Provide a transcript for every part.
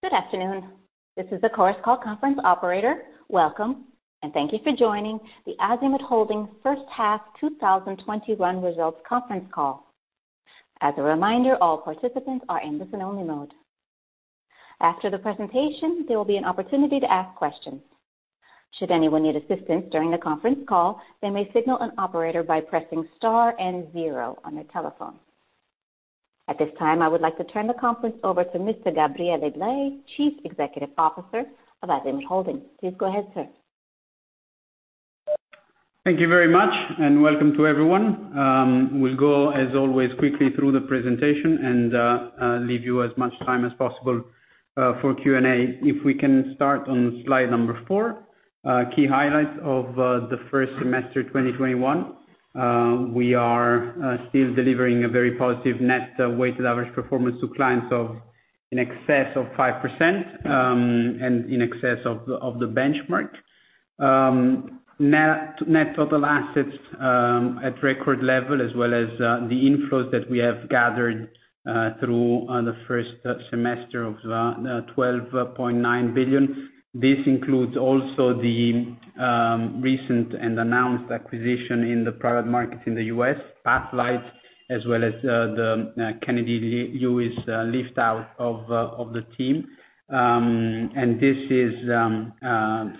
Good afternoon. This is the Chorus Call conference operator. Welcome, and thank you for joining the Azimut Holding first half 2021 results conference call. As a reminder, all participants are in listen-only mode. After the presentation, there will be an opportunity to ask questions. Should anyone need assistance during the conference call, they may signal an operator by pressing star and 0 on their telephone. At this time, I would like to turn the conference over to Mr. Gabriele Blei, Chief Executive Officer of Azimut Holding. Please go ahead, sir. Thank you very much, and welcome to everyone. We'll go, as always, quickly through the presentation and leave you as much time as possible for Q&A. If we can start on slide number four, key highlights of the first semester 2021. We are still delivering a very positive net weighted average performance to clients of in excess of 5%, and in excess of the benchmark. Net total assets at record level, as well as the inflows that we have gathered through the first semester of 12.9 billion. This includes also the recent and announced acquisition in the private market in the U.S., Pathlight, as well as the Kennedy Lewis lift out of the team. This is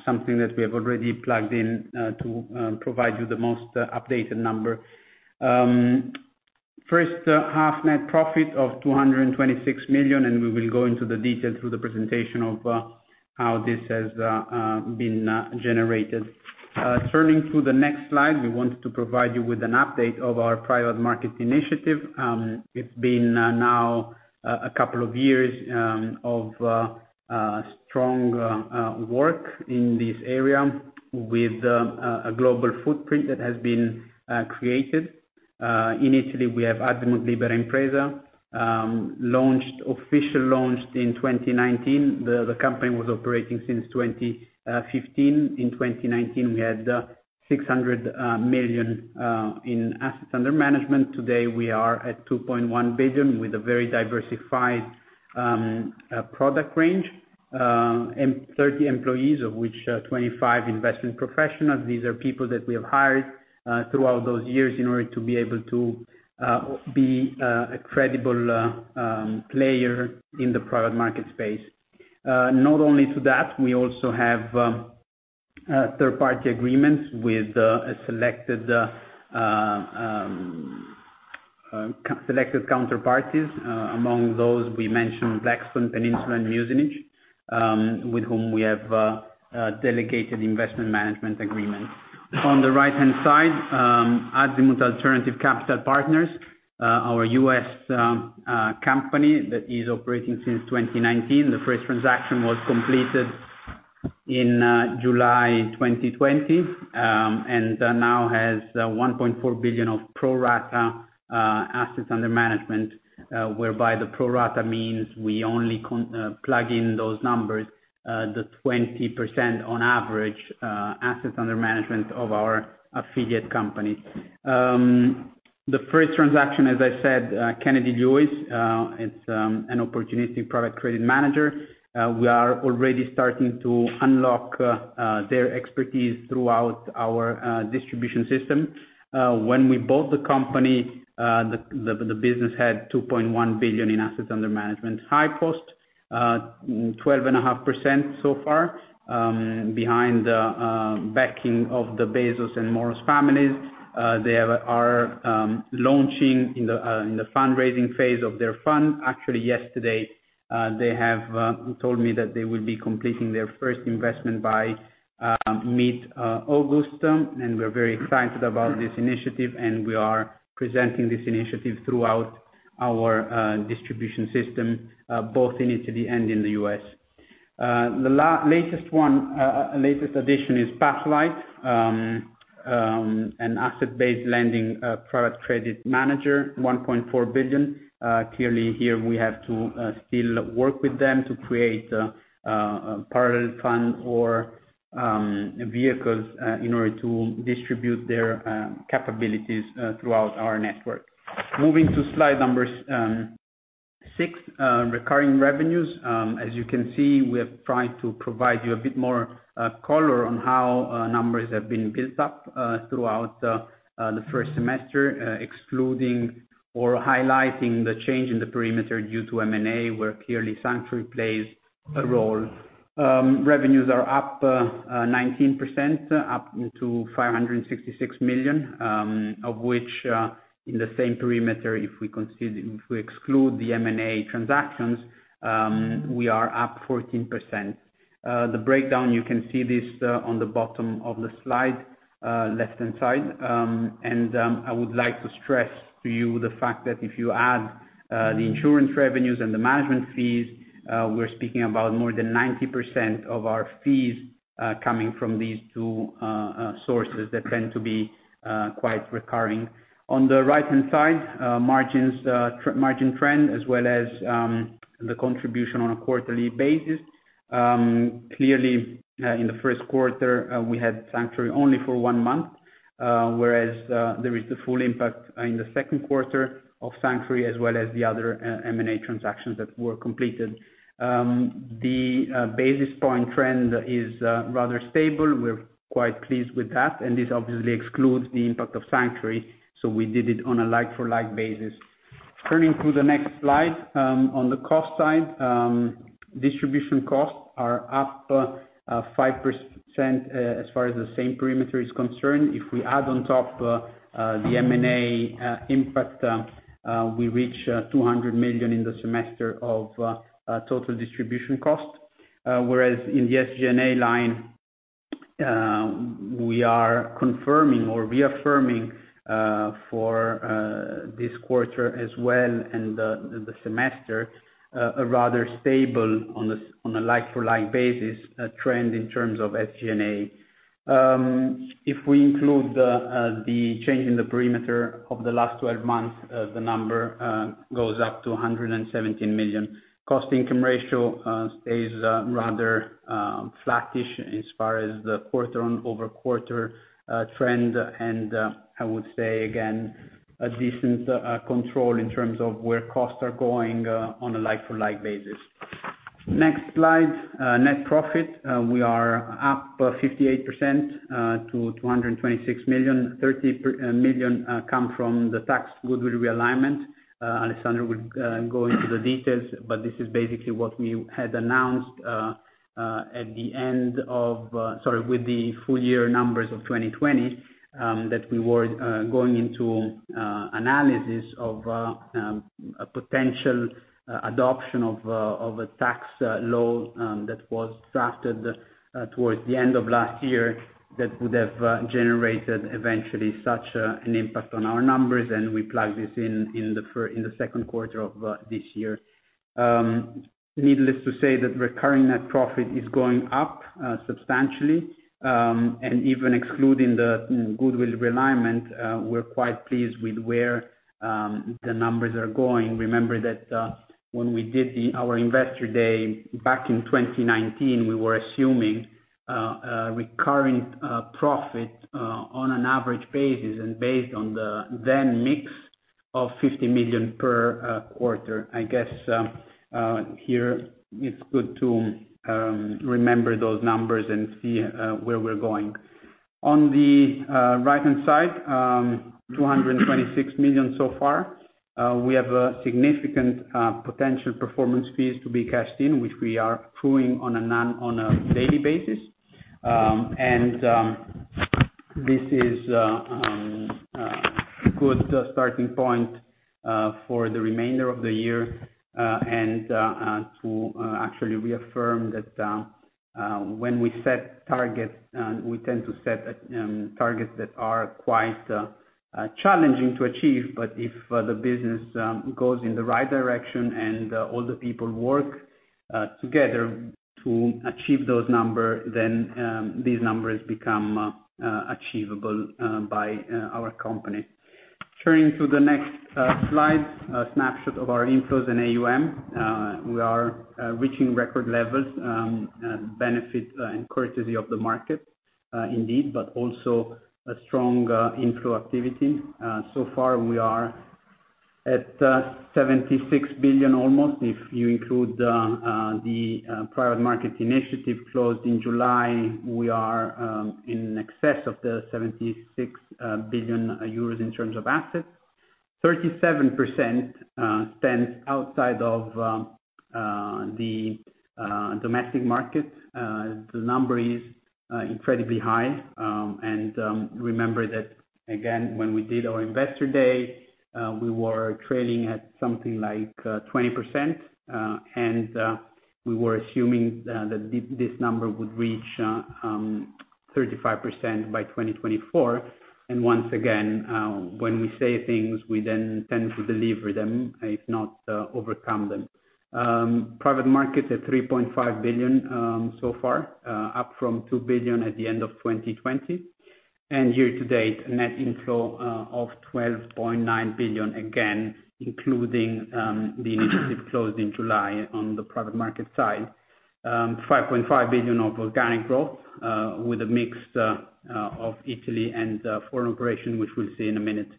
something that we have already plugged in to provide you the most updated number. First half net profit of 226 million, and we will go into the detail through the presentation of how this has been generated. Turning to the next slide, we want to provide you with an update of our private market initiative. It's been now a couple of years of strong work in this area with a global footprint that has been created. In Italy, we have Azimut Libera Impresa officially launched in 2019. The company was operating since 2015. In 2019, we had 600 million in assets under management. Today, we are at 2.1 billion with a very diversified product range, and 30 employees, of which 25 investment professionals. These are people that we have hired throughout those years in order to be able to be a credible player in the private market space. Not only to that, we also have third-party agreements with selected counterparties. Among those, we mention Blackstone, Peninsula and Muzinich, with whom we have delegated investment management agreements. On the right-hand side, Azimut Alternative Capital Partners, our U.S. company that is operating since 2019. The first transaction was completed in July 2020, and now has 1.4 billion of pro-rata assets under management, whereby the pro-rata means we only plug in those numbers, the 20% on average, assets under management of our affiliate company. The first transaction, as I said, Kennedy Lewis. It's an opportunistic private credit manager. We are already starting to unlock their expertise throughout our distribution system. When we bought the company, the business had 2.1 billion in assets under management. HighPost, 12.5% so far, behind the backing of the Bezos and Moross families. They are launching in the fundraising phase of their fund. Actually, yesterday, they have told me that they will be completing their first investment by mid August. We're very excited about this initiative, and we are presenting this initiative throughout our distribution system, both in Italy and in the U.S. The latest addition is Pathlight, an asset-based lending private credit manager, 1.4 billion. Clearly here we have to still work with them to create a parallel fund or vehicles in order to distribute their capabilities throughout our network. Moving to slide number six, recurring revenues. As you can see, we have tried to provide you a bit more color on how numbers have been built up throughout the first semester, excluding or highlighting the change in the perimeter due to M&A, where clearly Sanctuary plays a role. Revenues are up 19%, up to 566 million, of which in the same perimeter, if we exclude the M&A transactions, we are up 14%. The breakdown, you can see this on the bottom of the slide, left-hand side. I would like to stress to you the fact that if you add the insurance revenues and the management fees, we're speaking about more than 90% of our fees coming from these two sources that tend to be quite recurring. On the right-hand side, margin trend as well as the contribution on a quarterly basis. Clearly, in the Q1, we had Sanctuary only for one month, whereas there is the full impact in the Q2 of Sanctuary as well as the other M&A transactions that were completed. The basis point trend is rather stable. We're quite pleased with that. This obviously excludes the impact of Sanctuary, we did it on a like-for-like basis. Turning to the next slide. On the cost side, distribution costs are up 5% as far as the same perimeter is concerned. If we add on top the M&A impact, we reach 200 million in the semester of total distribution cost. Whereas in the SG&A line, we are confirming or reaffirming for this quarter as well and the semester, a rather stable, on a like-for-like basis, trend in terms of SG&A. If we include the change in the perimeter of the last 12 months, the number goes up to 117 million. Cost income ratio stays rather flattish as far as the quarter-over-quarter trend. I would say, again, a decent control in terms of where costs are going on a like-for-like basis. Next slide. Net profit. We are up 58% to 226 million. 30 million come from the tax goodwill realignment. Alessandro will go into the details, this is basically what we had announced with the full year numbers of 2020, that we were going into analysis of a potential adoption of a tax law that was drafted towards the end of last year that would have generated eventually such an impact on our numbers, and we plugged this in the Q2 of this year. Needless to say that recurring net profit is going up substantially. Even excluding the goodwill realignment, we're quite pleased with where the numbers are going. Remember that when we did our investor day back in 2019, we were assuming a recurring profit on an average basis and based on the then mix of 50 million per quarter. I guess, here it's good to remember those numbers and see where we're going. On the right-hand side, 226 million so far. We have significant potential performance fees to be cashed in, which we are accruing on a daily basis. This is a good starting point for the remainder of the year, and to actually reaffirm that when we set targets, we tend to set targets that are quite challenging to achieve. If the business goes in the right direction and all the people work together to achieve those numbers, then these numbers become achievable by our company. Turning to the next slide. A snapshot of our inflows and AUM. We are reaching record levels, benefit and courtesy of the market, indeed, but also a strong inflow activity. So far, we are at 76 billion almost. If you include the private market initiative closed in July, we are in excess of the 76 billion euros in terms of assets. 37% spent outside of the domestic market. The number is incredibly high. Remember that, again, when we did our investor day, we were trading at something like 20%, and we were assuming that this number would reach 35% by 2024. Once again, when we say things, we then tend to deliver them, if not overcome them. Private market at 3.5 billion so far, up from 2 billion at the end of 2020. Year to date, net inflow of 12.9 billion, again, including the initiative closed in July on the private market side. 5.5 billion of organic growth with a mix of Italy and foreign operation, which we'll see in a minute.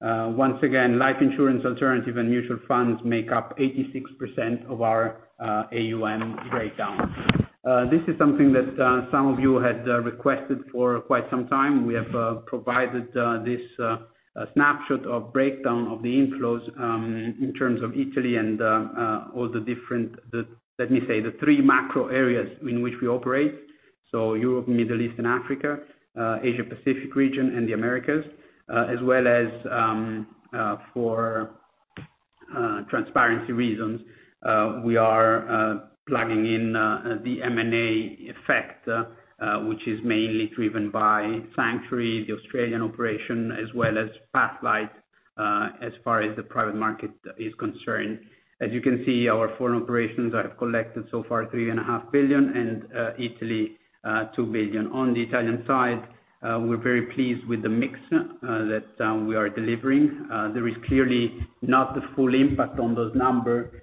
Once again, life insurance alternative and mutual funds make up 86% of our AUM breakdown. This is something that some of you had requested for quite some time. We have provided this snapshot of breakdown of the inflows in terms of Italy and all the different Let me say, the three macro areas in which we operate. Europe, Middle East, and Africa, Asia Pacific region, and the Americas. As well as for transparency reasons, we are plugging in the M&A effect, which is mainly driven by Sanctuary, the Australian operation, as well as Pathlight, as far as the private market is concerned. As you can see, our foreign operations have collected so far 3.5 billion, Italy 2 billion. On the Italian side, we're very pleased with the mix that we are delivering. There is clearly not the full impact on those numbers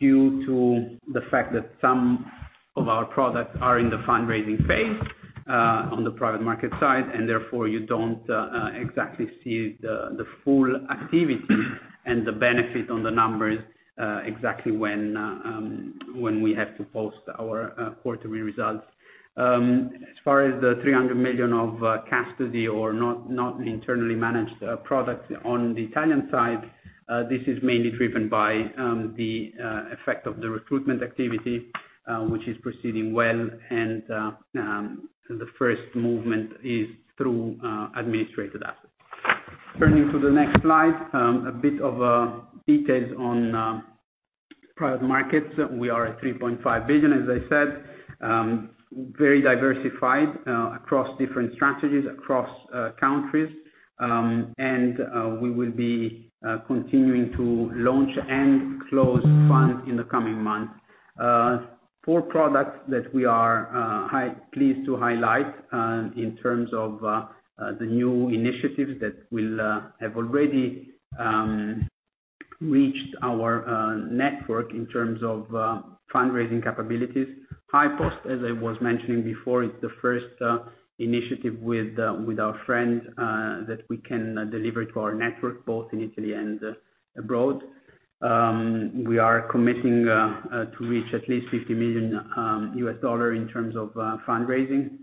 due to the fact that some of our products are in the fundraising phase on the private market side, and therefore you don't exactly see the full activity and the benefit on the numbers exactly when we have to post our quarterly results. As far as the 300 million of custody, or not internally managed products on the Italian side, this is mainly driven by the effect of the recruitment activity, which is proceeding well, and the first movement is through administered assets. Turning to the next slide, a bit of details on private markets. We are at 3.5 billion, as I said, very diversified across different strategies, across countries. We will be continuing to launch and close funds in the coming months. Four products that we are pleased to highlight in terms of the new initiatives that have already reached our network in terms of fundraising capabilities. HighPost, as I was mentioning before, is the first initiative with our friends that we can deliver to our network, both in Italy and abroad. We are committing to reach at least $50 million in terms of fundraising.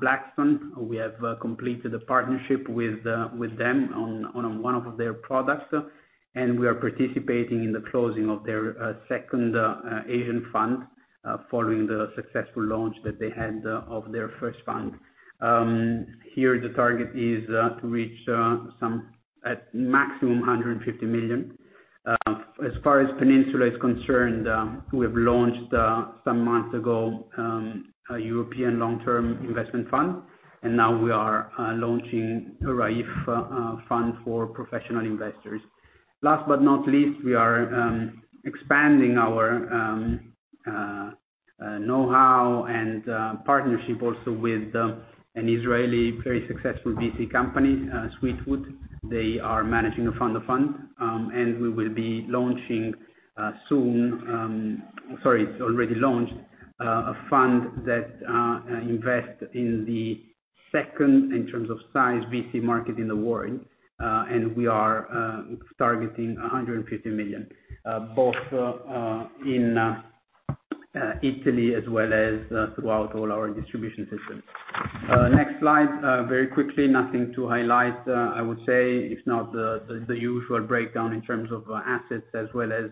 Blackstone, we have completed a partnership with them on one of their products, and we are participating in the closing of their second Asian fund, following the successful launch that they had of their first fund. Here, the target is to reach maximum 150 million. As far as Peninsula is concerned, we have launched some months ago, a European Long-Term Investment Fund, and now we are launching a RAIF fund for professional investors. Last but not least, we are expanding our knowhow and partnership also with an Israeli very successful VC company, Sweetwood. They are managing a fund of funds. We will be launching soon. Sorry, it's already launched, a fund that invests in the second, in terms of size, VC market in the world. We are targeting 150 million, both in Italy as well as throughout all our distribution systems. Next slide. Very quickly, nothing to highlight, I would say, if not the usual breakdown in terms of assets as well as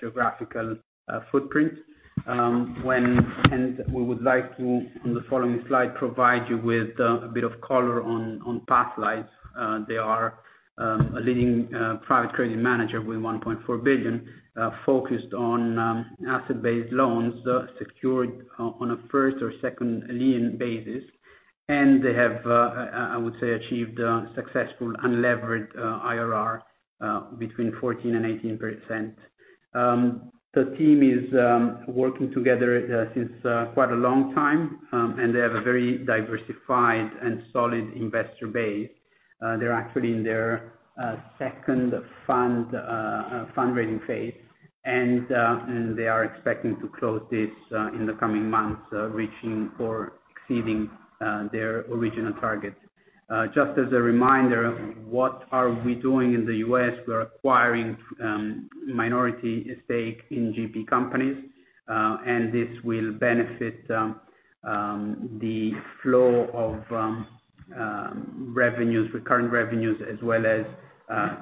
geographical footprint. We would like to, on the following slide, provide you with a bit of color on Pathlight. They are a leading private credit manager with 1.4 billion focused on asset-based loans secured on a first or second lien basis. They have, I would say, achieved successful unlevered IRR between 14%-18%. The team is working together since quite a long time, and they have a very diversified and solid investor base. They're actually in their second fundraising phase, and they are expecting to close this in the coming months, reaching or exceeding their original target. Just as a reminder, what are we doing in the U.S.? We're acquiring minority stake in GP companies, and this will benefit the flow of current revenues as well as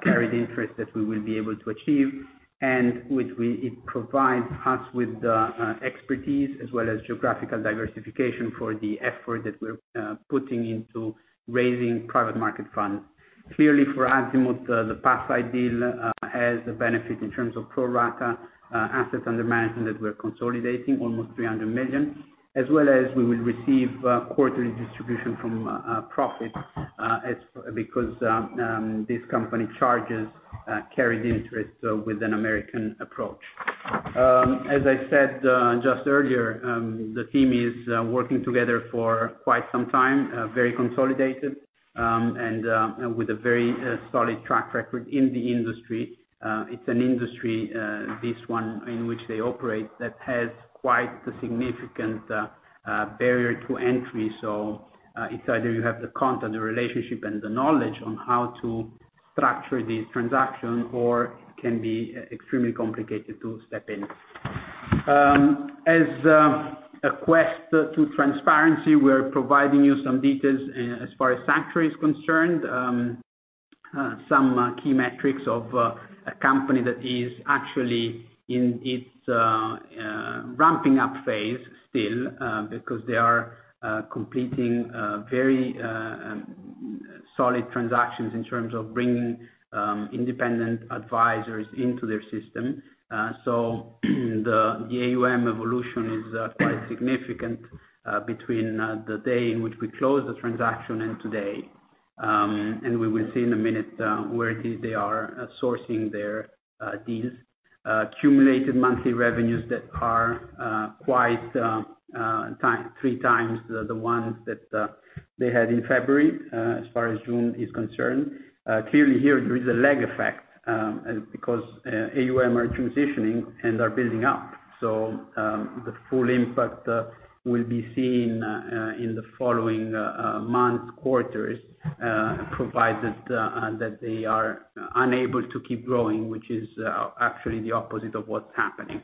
carried interest that we will be able to achieve, and it provides us with the expertise as well as geographical diversification for the effort that we're putting into raising private market funds. Clearly, for Azimut, the Pathlight deal has a benefit in terms of pro rata assets under management that we're consolidating, almost 300 million. As well as we will receive quarterly distribution from profits, because this company charges carried interest with an American approach. As I said just earlier, the team is working together for quite some time, very consolidated, and with a very solid track record in the industry. It's an industry, this one in which they operate, that has quite a significant barrier to entry. It's either you have the content, the relationship, and the knowledge on how to structure these transactions, or it can be extremely complicated to step in. As a quest to transparency, we're providing you some details as far as Sanctuary is concerned. Some key metrics of a company that is actually in its ramping up phase still, because they are completing very solid transactions in terms of bringing independent advisors into their system. The AUM evolution is quite significant between the day in which we closed the transaction and today. We will see in a minute where it is they are sourcing their deals. Accumulated monthly revenues that are quite 3x the ones that they had in February, as far as June is concerned. Clearly here there is a lag effect, because AUM are transitioning and are building up. The full impact will be seen in the following months, quarters, provided that they are unable to keep growing, which is actually the opposite of what's happening.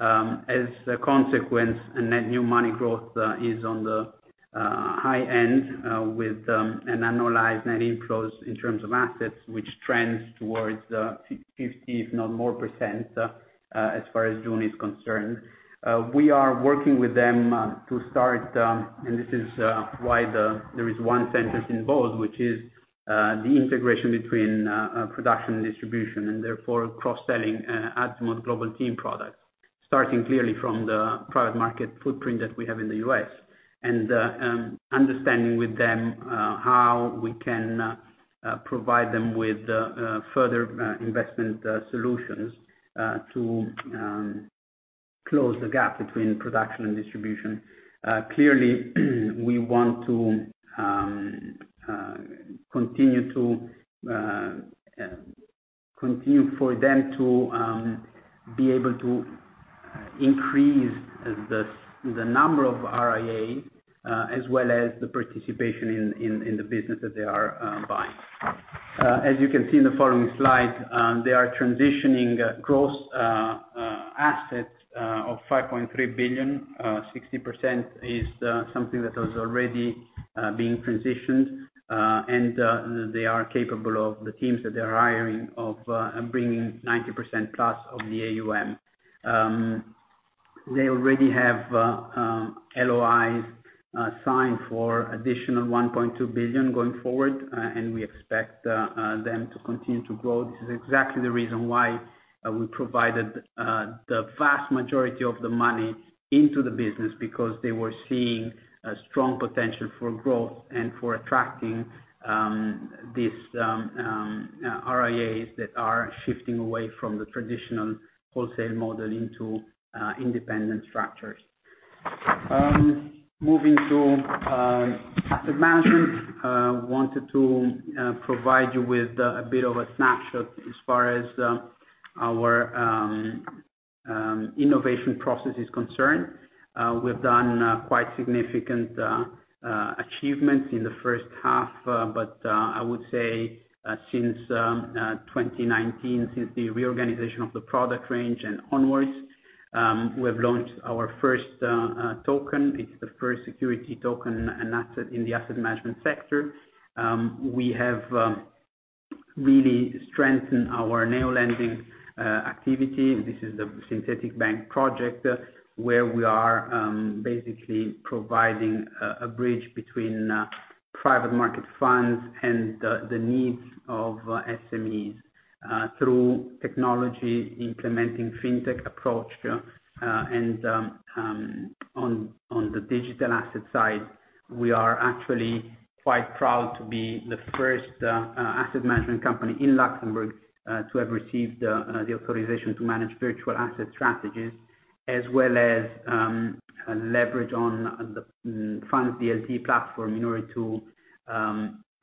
As a consequence, net new money growth is on the high end with an annualized net inflows in terms of assets, which trends towards 50%, if not more %, as far as June is concerned. We are working with them to start, and this is why there is one sentence in bold, which is the integration between production and distribution, and therefore cross-selling Azimut Global Team products. Starting clearly from the private market footprint that we have in the U.S., and understanding with them how we can provide them with further investment solutions to close the gap between production and distribution. Clearly we want to continue for them to be able to increase the number of RIAs, as well as the participation in the business that they are buying. As you can see in the following slide, they are transitioning gross assets of 5.3 billion. 60% is something that was already being transitioned, and they are capable of the teams that they are hiring of bringing 90%+ of the AUM. They already have LOIs signed for additional 1.2 billion going forward, and we expect them to continue to grow. This is exactly the reason why we provided the vast majority of the money into the business, because they were seeing a strong potential for growth and for attracting these RIAs that are shifting away from the traditional wholesale model into independent structures. Moving to asset management, wanted to provide you with a bit of a snapshot as far as our innovation process is concerned. We've done quite significant achievements in the first half, but I would say since 2019, since the reorganization of the product range and onwards, we have launched our first token. It's the first security token and asset in the asset management sector. We have really strengthened our neo-lending activity. This is the synthetic bank project where we are basically providing a bridge between private market funds and the needs of SMEs through technology, implementing FinTech approach. On the digital asset side, we are actually quite proud to be the first asset management company in Luxembourg to have received the authorization to manage virtual asset strategies as well as leverage on the FundsDLT platform in order to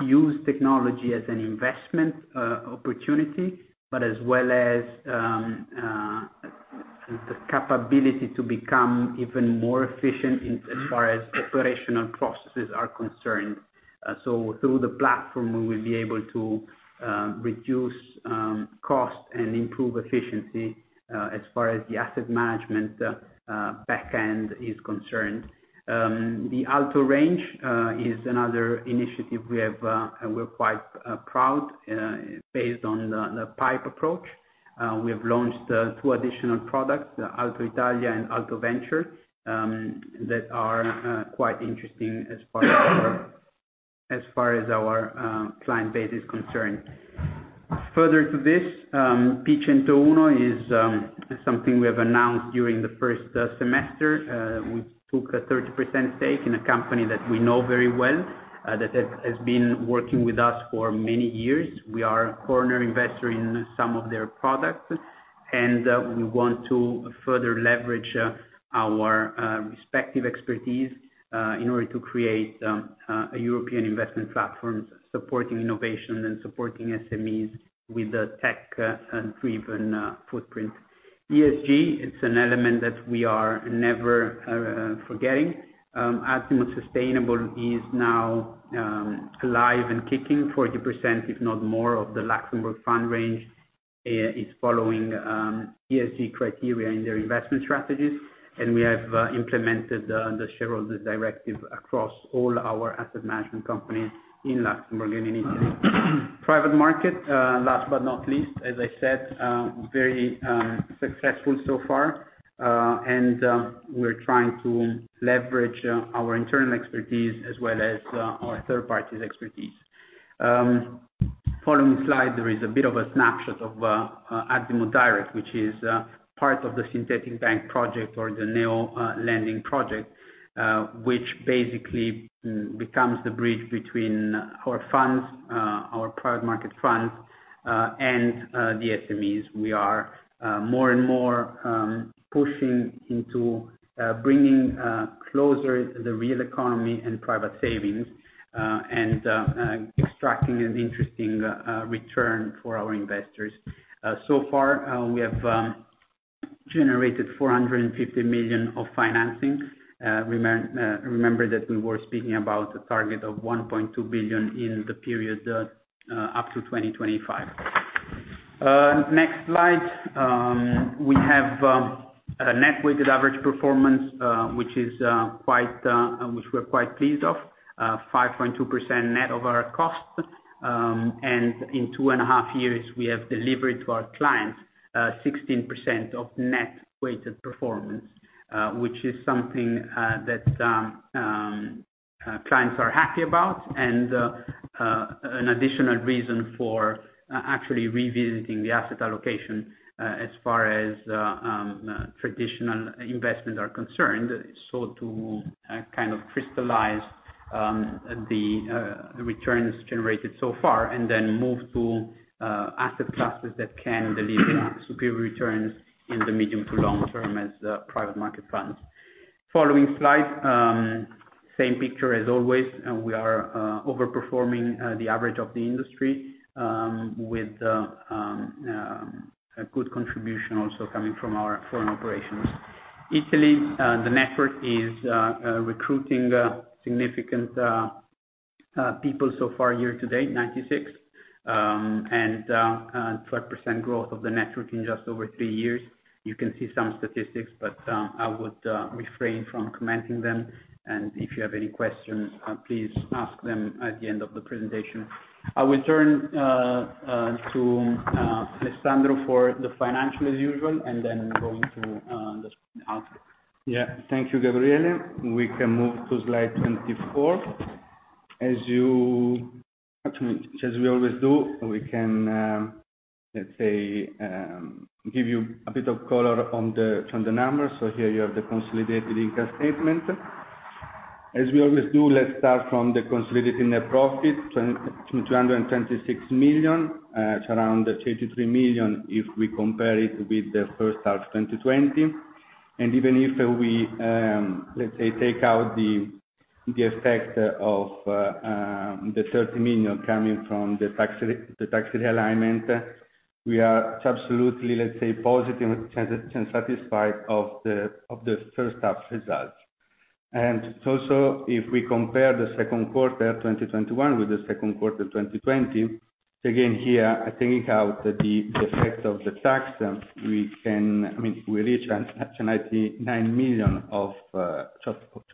use technology as an investment opportunity, but as well as the capability to become even more efficient as far as operational processes are concerned. Through the platform, we will be able to reduce cost and improve efficiency as far as the asset management back end is concerned. The ALTO range is another initiative we have, and we are quite proud based on the PIPE approach. We have launched two additional products, ALTO Italia and ALTO Venture, that are quite interesting as far as our client base is concerned. Further to this, P101 is something we have announced during the first semester. We took a 30% stake in a company that we know very well, that has been working with us for many years. We are a corner investor in some of their products, and we want to further leverage our respective expertise in order to create a European investment platform supporting innovation and supporting SMEs with a tech-driven footprint. ESG, it's an element that we are never forgetting. Azimut Sustainable is now live and kicking. 40%, if not more, of the Luxembourg fund range is following ESG criteria in their investment strategies, and we have implemented the shareholders directive across all our asset management companies in Luxembourg and in Italy. Private market, last but not least, as I said, very successful so far. We're trying to leverage our internal expertise as well as our third parties' expertise. Following slide, there is a bit of a snapshot of Azimut Direct, which is part of the synthetic bank project or the neo-lending project, which basically becomes the bridge between our private market funds and the SMEs. We are more and more pushing into bringing closer the real economy and private savings, and extracting an interesting return for our investors. So far, we have generated 450 million of financing. Remember that we were speaking about a target of 1.2 billion in the period up to 2025. Next slide. We have a net weighted average performance, which we're quite pleased of, 5.2% net of our costs. In two and a half years, we have delivered to our clients 16% of net weighted performance, which is something that clients are happy about, and an additional reason for actually revisiting the asset allocation as far as traditional investments are concerned. To crystallize the returns generated so far and then move to asset classes that can deliver superior returns in the medium to long term as the private market funds. Following slide. Same picture as always. We are over-performing the average of the industry, with a good contribution also coming from our foreign operations. Italy, the network is recruiting significant people so far year to date, 96, and 12% growth of the network in just over three years. You can see some statistics, but I would refrain from commenting them, and if you have any questions, please ask them at the end of the presentation. I will turn to Mr Alessandro for the financial as usual, and then go into the outlook. Thank you, Gabriele. We can move to slide 24. As we always do, we can give you a bit of color from the numbers. Here you have the consolidated income statement. As we always do, let's start from the consolidated net profit, 226 million. It's around 33 million if we compare it with the first half 2020. Even if we take out the effect of the 30 million coming from the tax realignment, we are absolutely positive and satisfied of the first half results. Also, if we compare the Q2 2021 with the Q2 2020, again, here, taking out the effect of the tax, we reach 99 million of net profit.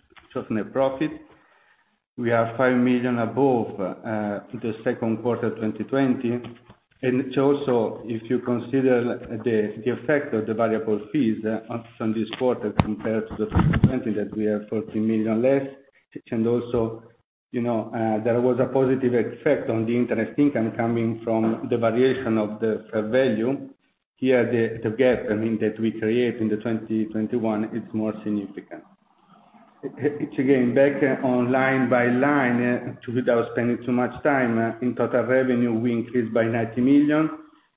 We are 5 million above the Q2 2020. Also, if you consider the effect of the variable fees on this quarter compared to the second 2020, that we are 14 million less. Also, there was a positive effect on the interest income coming from the variation of the fair value. Here, the gap that we create in the 2021, it's more significant. Again, back on line by line, without spending too much time. In total revenue, we increased by 90 million.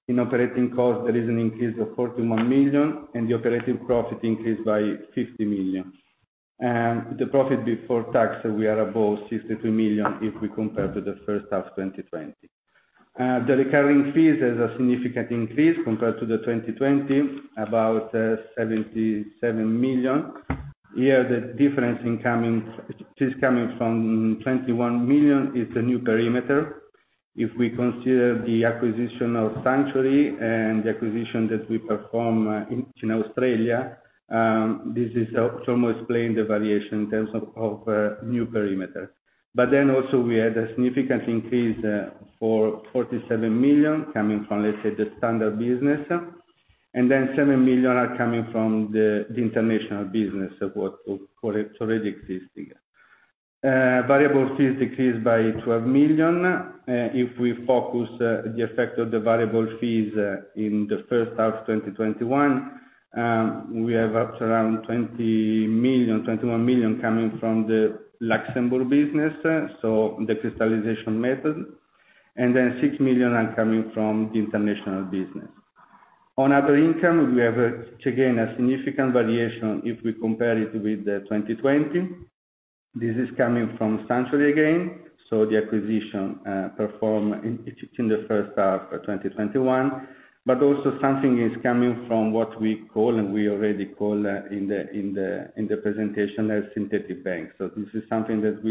In operating cost, there is an increase of 41 million, and the operating profit increased by 50 million. The profit before tax, we are above 63 million if we compare to the first half 2020. The recurring fees has a significant increase compared to the 2020, about 77 million. Here, the difference is coming from 21 million, is the new perimeter. If we consider the acquisition of Sanctuary and the acquisition that we perform in Australia, this is to explain the variation in terms of new perimeter. We had a significant increase for 47 million coming from, let's say, the standard business. 7 million are coming from the international business, already existing. Variable fees decreased by 12 million. If we focus the effect of the variable fees in the first half 2021, we have up to around 21 million coming from the Luxembourg business, so the crystallization method, and then 6 million are coming from the international business. On other income, we have, again, a significant variation if we compare it with 2020. This is coming from Sanctuary again, so the acquisition performed in the first half of 2021. Also something is coming from what we call, and we already call in the presentation, a synthetic bank. This is something that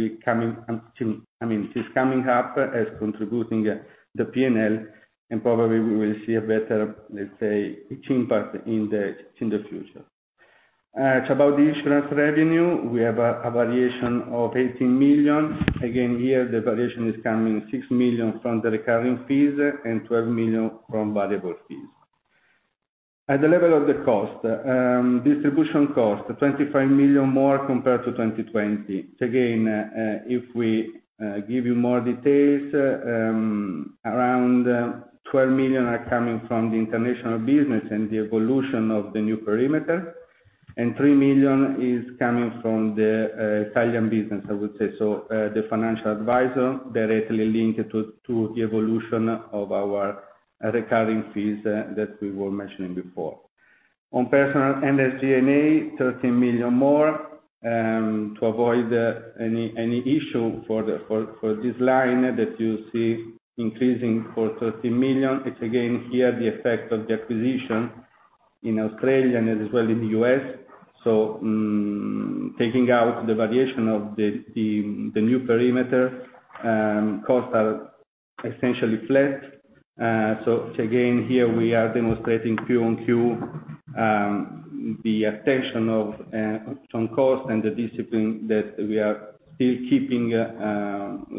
is coming up as contributing the P&L, and probably we will see a better impact in the future. It's about the insurance revenue. We have a variation of 18 million. Again, here, the variation is coming 6 million from the recurring fees and 12 million from variable fees. At the level of the cost. Distribution cost, 25 million more compared to 2020. Again, if we give you more details, around 12 million are coming from the international business and the evolution of the new perimeter. 3 million is coming from the Italian business, I would say. The financial advisor directly linked to the evolution of our recurring fees that we were mentioning before. On personnel and SG&A, 13 million more. To avoid any issue for this line that you see increasing for 13 million, it's again here the effect of the acquisition in Australia and as well in the U.S. Taking out the variation of the new perimeter, costs are essentially flat. Again, here we are demonstrating Q on Q, the attention of some cost and the discipline that we are still keeping,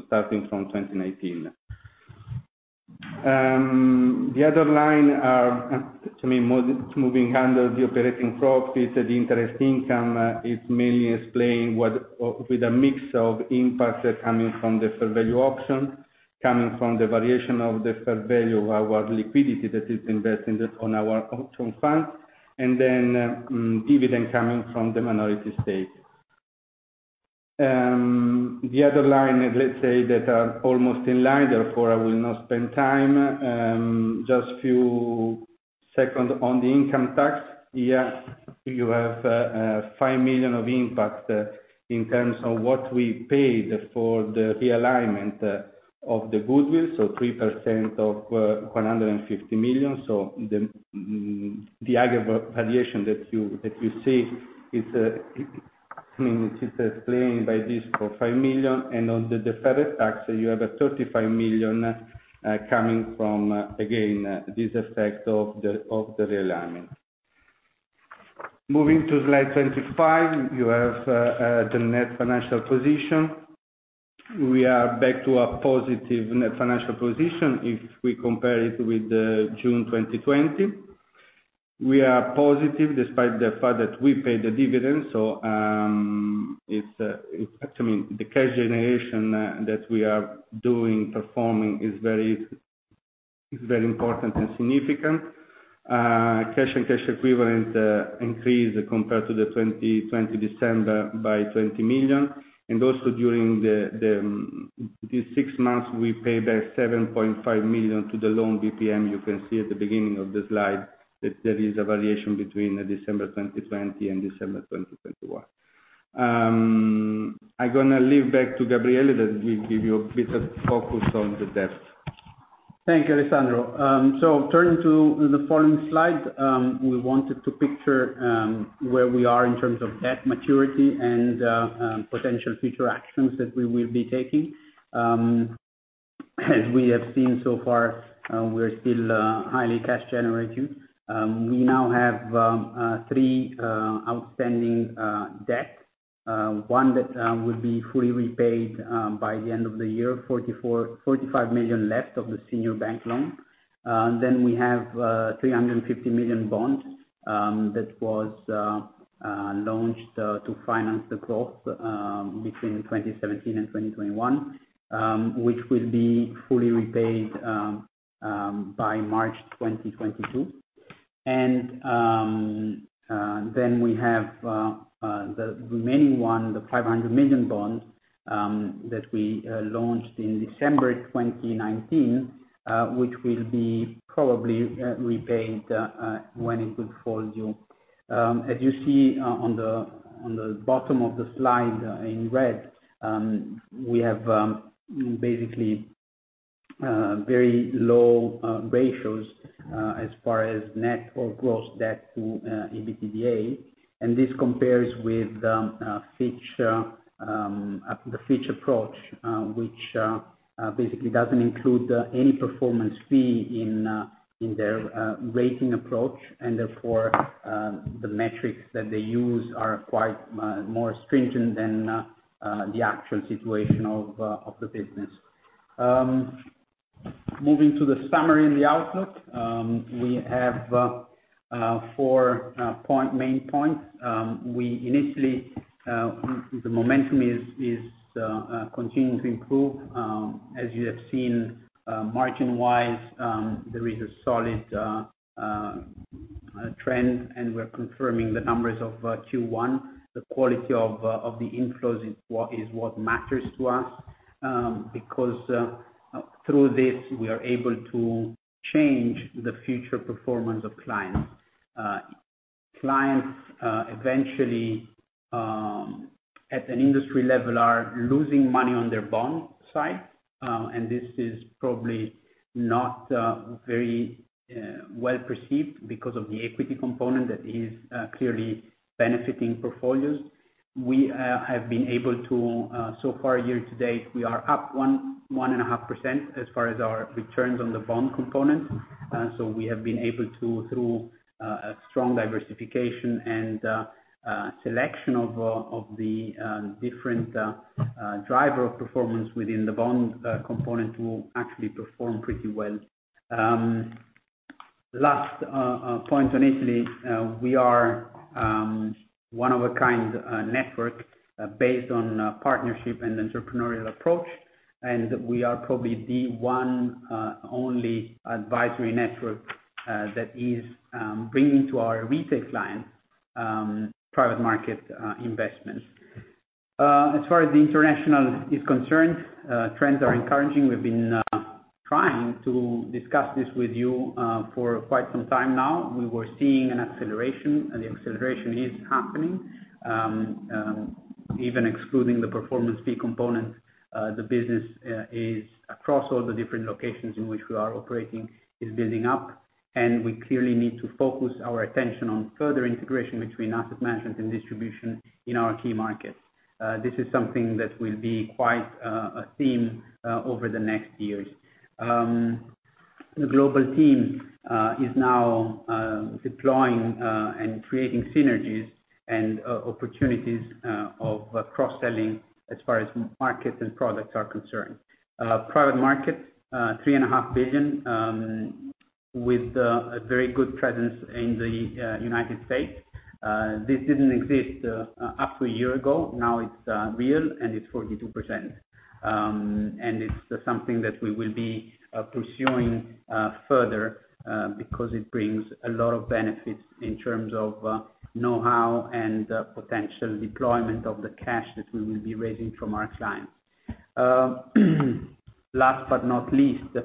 starting from 2019. The other line, to me, moving under the operating profit, the interest income is mainly explained with a mix of impacts coming from the fair value option, coming from the variation of the fair value of our liquidity that is invested on our option funds, and then dividend coming from the minority stake. The other line, let's say, that are almost in line, therefore I will not spend time. Just few seconds on the income tax. Here you have 5 million of impact in terms of what we paid for the realignment of the goodwill, so 3% of EUR 150 million. The aggregate variation that you see, it's explained by this for 5 million, and on the deferred tax, you have 35 million coming from, again, this effect of the realignment. Moving to slide 25, you have the net financial position. We are back to a positive net financial position if we compare it with June 2020. We are positive despite the fact that we paid the dividend. The cash generation that we are doing, performing, is very important and significant. Cash and cash equivalent increased compared to the 2020 December by 20 million. Also during these 6 months, we paid back 7.5 million to the Banco BPM. You can see at the beginning of the slide that there is a variation between December 2020 and December 2021. I'm going to leave back to Gabriele that will give you a bit of focus on the debt. Thank you, Alessandro. Turning to the following slide, we wanted to picture where we are in terms of debt maturity and potential future actions that we will be taking. As we have seen so far, we're still highly cash generative. We now have three outstanding debt, one that will be fully repaid by the end of the year, 45 million left of the senior bank loan. We have 350 million bond, that was launched to finance the growth between 2017 and 2021, which will be fully repaid by March 2022. We have the remaining one, the 500 million bond, that we launched in December 2019, which will be probably repaid when it could fall due. As you see on the bottom of the slide in red, we have basically very low ratios as far as net or gross debt to EBITDA. This compares with the Fitch approach, which basically doesn't include any performance fee in their rating approach, therefore, the metrics that they use are quite more stringent than the actual situation of the business. Moving to the summary and the outlook, we have four main points. Initially, the momentum is continuing to improve. As you have seen, margin-wise, there is a solid trend, and we're confirming the numbers of Q1. The quality of the inflows is what matters to us, because through this, we are able to change the future performance of clients. Clients eventually, at an industry level, are losing money on their bond side, and this is probably not very well-perceived because of the equity component that is clearly benefiting portfolios. So far, year to date, we are up 1.5% as far as our returns on the bond component. We have been able to, through a strong diversification and selection of the different driver performance within the bond component, to actually perform pretty well. Last point on Italy. We are one of a kind network based on partnership and entrepreneurial approach. We are probably the one only advisory network that is bringing to our retail clients private market investments. As far as the international is concerned, trends are encouraging. We've been trying to discuss this with you for quite some time now. We were seeing an acceleration, and the acceleration is happening. Even excluding the performance fee component, the business is across all the different locations in which we are operating, is building up, and we clearly need to focus our attention on further integration between asset management and distribution in our key markets. This is something that will be quite a theme over the next years. The global team is now deploying and creating synergies and opportunities of cross-selling as far as markets and products are concerned. Private market, 3.5 billion, with a very good presence in the U.S. This didn't exist up to a year ago. Now it's real, and it's 42%. It's something that we will be pursuing further because it brings a lot of benefits in terms of know-how and potential deployment of the cash that we will be raising from our clients. Last but not least, the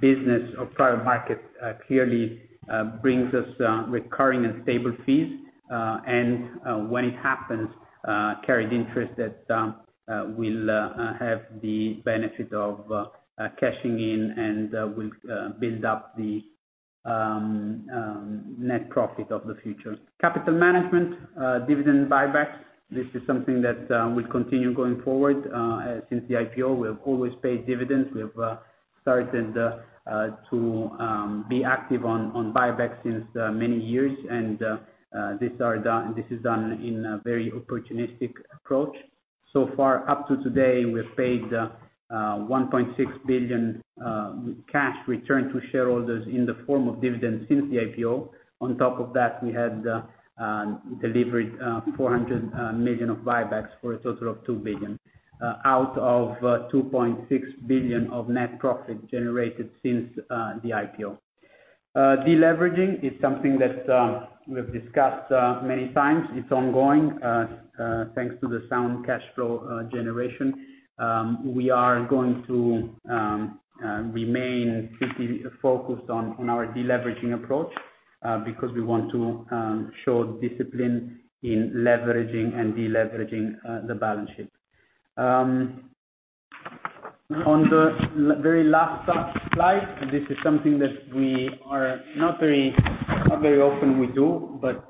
business of private market clearly brings us recurring and stable fees. When it happens, carried interest that will have the benefit of cashing in and will build up the net profit of the future. Capital management, dividend buybacks, this is something that will continue going forward. Since the IPO, we have always paid dividends. We have started to be active on buybacks since many years, and this is done in a very opportunistic approach. So far, up to today, we have paid 1.6 billion cash return to shareholders in the form of dividends since the IPO. On top of that, we had delivered 400 million of buybacks for a total of 2 billion, out of 2.6 billion of net profit generated since the IPO. Deleveraging is something that we have discussed many times. It's ongoing. Thanks to the sound cash flow generation, we are going to remain pretty focused on our deleveraging approach because we want to show discipline in leveraging and deleveraging the balance sheet. On the very last slide, this is something that not very often we do, but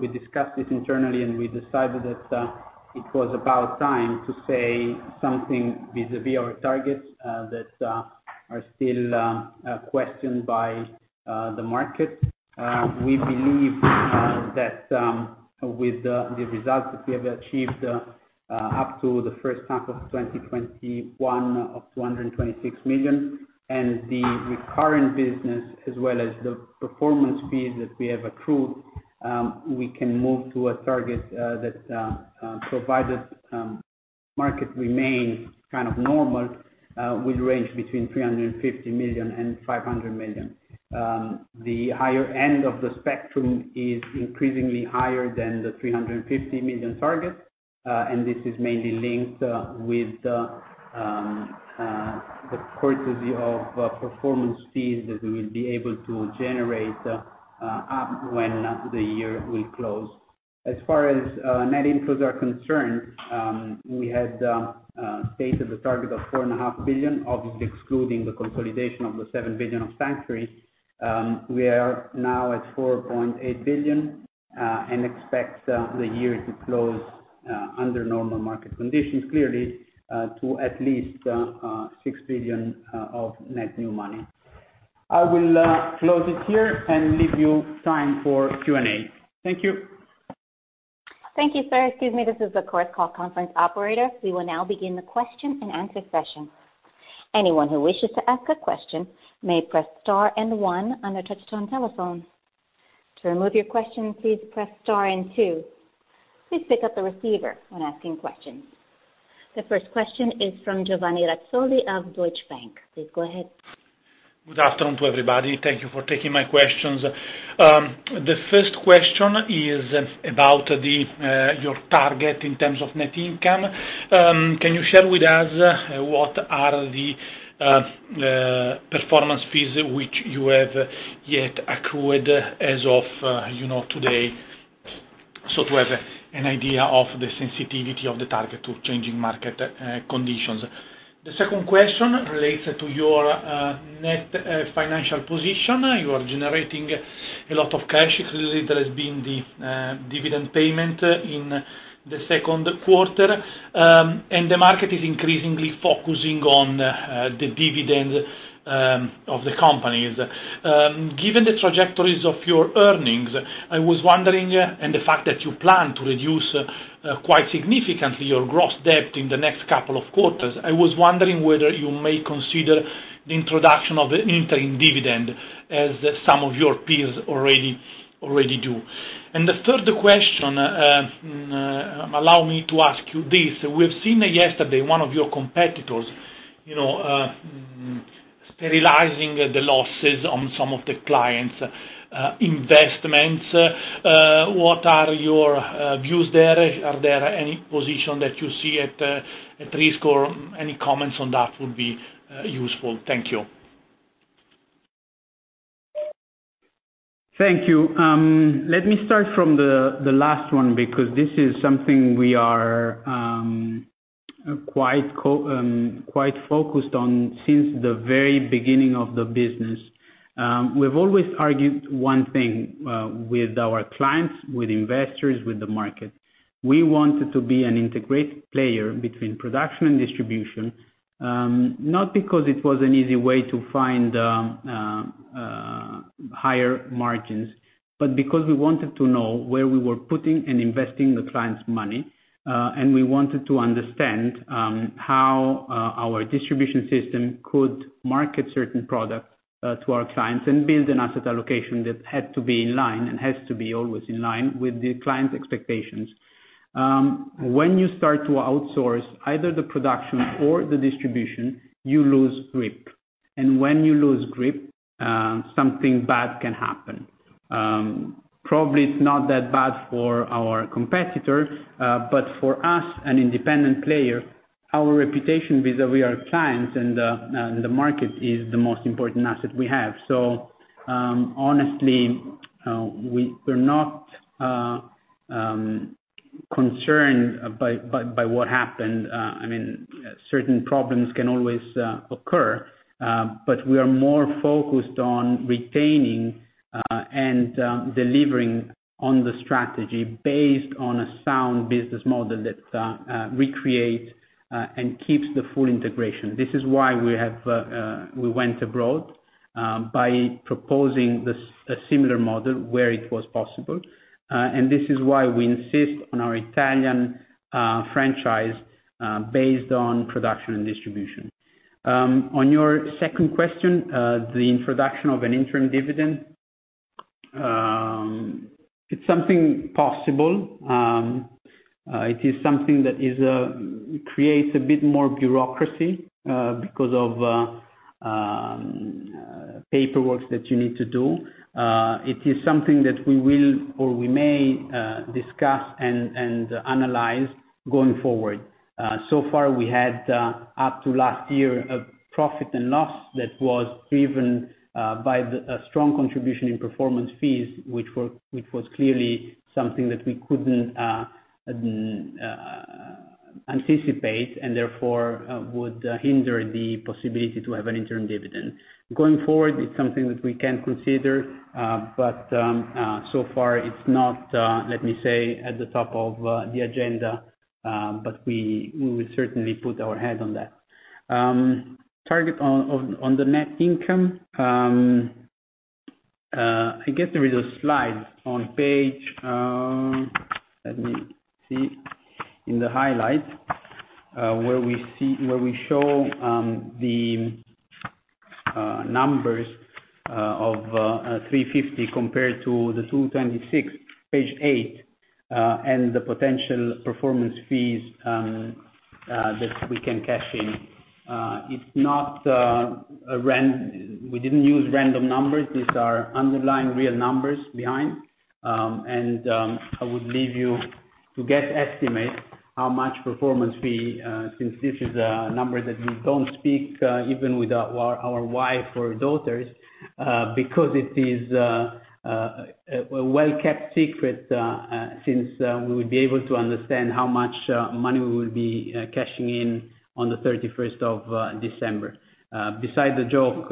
we discussed this internally, and we decided that it was about time to say something vis-à-vis our targets that are still questioned by the market. We believe that with the results that we have achieved up to the first half of 2021 of 226 million, and the recurring business as well as the performance fee that we have accrued, we can move to a target that, provided market remains kind of normal, will range between 350 million and 500 million. The higher end of the spectrum is increasingly higher than the 350 million target. This is mainly linked with the courtesy of performance fees that we will be able to generate up when the year will close. As far as net inflows are concerned, we had stated the target of four and a half billion, obviously excluding the consolidation of the 7 billion of Sanctuary. We are now at 4.8 billion, and expect the year to close under normal market conditions, clearly, to at least 6 billion of net new money. I will close it here and leave you time for Q&A. Thank you. Thank you, sir. Excuse me, this is the conference call operator. We will now begin the question-and-answer session. Anyone who wishes to ask a question may press star and one on their touch-tone telephone. To remove your question, please press star and two. Please pick up the receiver when asking questions. The first question is from Giovanni Razzoli of Deutsche Bank. Please go ahead. Good afternoon to everybody. Thank you for taking my questions. The first question is about your target in terms of net income. Can you share with us what are the performance fees which you have yet accrued as of today, so to have an idea of the sensitivity of the target to changing market conditions? The second question relates to your net financial position. You are generating a lot of cash. Clearly, there has been the dividend payment in the Q2. The market is increasingly focusing on the dividend of the companies. Given the trajectories of your earnings, and the fact that you plan to reduce quite significantly your gross debt in the next couple of quarters, I was wondering whether you may consider the introduction of an interim dividend as some of your peers already do. The third question, allow me to ask you this. We've seen yesterday one of your competitors sterilizing the losses on some of the clients' investments. What are your views there? Are there any position that you see at risk, or any comments on that would be useful? Thank you. Thank you. Let me start from the last one, because this is something we are quite focused on since the very beginning of the business. We've always argued one thing with our clients, with investors, with the market. We wanted to be an integrated player between production and distribution, not because it was an easy way to find higher margins, but because we wanted to know where we were putting and investing the clients' money. We wanted to understand how our distribution system could market certain products to our clients and build an asset allocation that had to be in line, and has to be always in line, with the clients' expectations. When you start to outsource either the production or the distribution, you lose grip. When you lose grip, something bad can happen. Probably it's not that bad for our competitors, but for us, an independent player, our reputation vis-a-vis our clients and the market is the most important asset we have. Honestly, we're not concerned by what happened. Certain problems can always occur. We are more focused on retaining and delivering on the strategy based on a sound business model that recreates and keeps the full integration. This is why we went abroad by proposing a similar model where it was possible. This is why we insist on our Italian franchise based on production and distribution. On your second question, the introduction of an interim dividend. It's something possible. It is something that creates a bit more bureaucracy, because of paperworks that you need to do. It is something that we will, or we may, discuss and analyze going forward. So far, we had up to last year, a profit and loss that was driven by a strong contribution in performance fees, which was clearly something that we couldn't anticipate, and therefore would hinder the possibility to have an interim dividend. Going forward, it's something that we can consider. So far it's not, let me say, at the top of the agenda. We will certainly put our head on that. Target on the net income. I guess there is a slide on page Let me see. In the highlight, where we show the numbers of 350 compared to the 226, page eight, and the potential performance fees that we can cash in. We didn't use random numbers. These are underlying real numbers behind. I would leave you to guess estimate how much performance fee, since this is a number that we don't speak, even with our wife or daughters, because it is a well-kept secret, since we will be able to understand how much money we will be cashing in on the 31st of December. Beside the joke,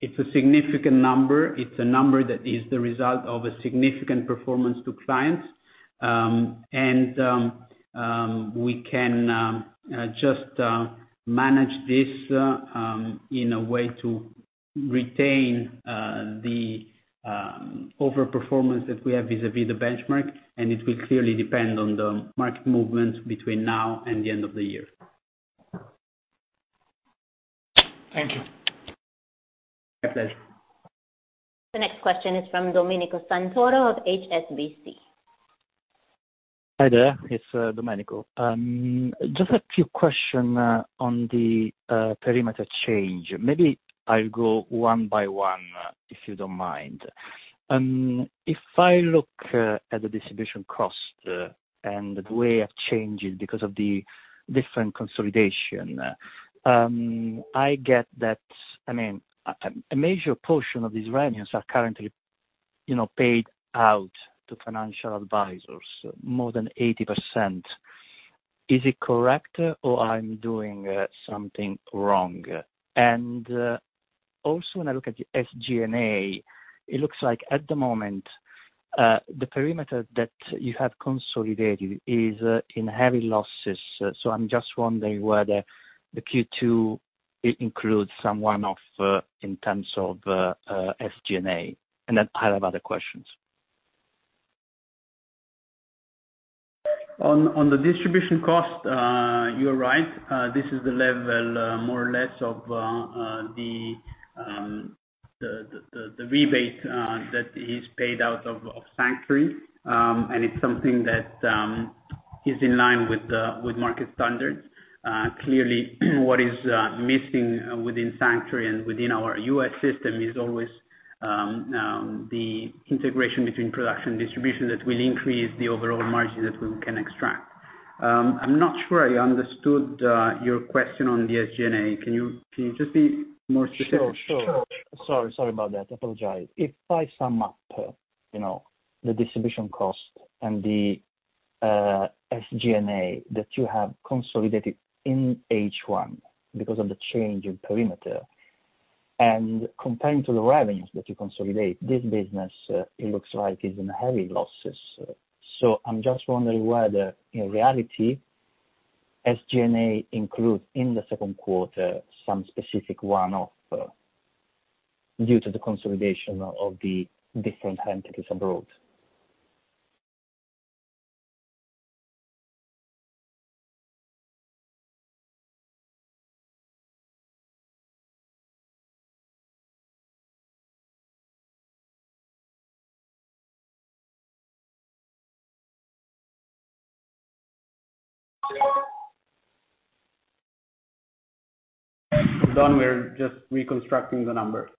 it's a significant number. It's a number that is the result of a significant performance to clients. We can just manage this in a way to retain the over-performance that we have vis-a-vis the benchmark, and it will clearly depend on the market movement between now and the end of the year. Thank you. My pleasure. The next question is from Domenico Santoro of HSBC. Hi there. It's Domenico. Just a few question on the perimeter change. Maybe I'll go one by one, if you don't mind. If I look at the distribution cost, and the way it changes because of the different consolidation, I get that a major portion of these revenues are currently paid out to financial advisors, more than 80%. Is it correct, or I'm doing something wrong? Also, when I look at the SG&A, it looks like at the moment, the perimeter that you have consolidated is in heavy losses. I'm just wondering whether the Q2 includes some one-off in terms of SG&A, and then I have other questions. On the distribution cost, you're right. This is the level more or less of the rebate that is paid out of Sanctuary, and it's something that is in line with market standards. Clearly, what is missing within Sanctuary and within our U.S. system is always the integration between production distribution that will increase the overall margin that we can extract. I'm not sure I understood your question on the SG&A. Can you just be more specific? Sure. Sorry about that. I apologize. If I sum up the distribution cost and the SG&A that you have consolidated in H1 because of the change in perimeter, and comparing to the revenues that you consolidate, this business, it looks like it's in heavy losses. I'm just wondering whether, in reality, SG&A includes, in the Q2, some specific one-off due to the consolidation of the different entities abroad. We are just reconstructing the numbers.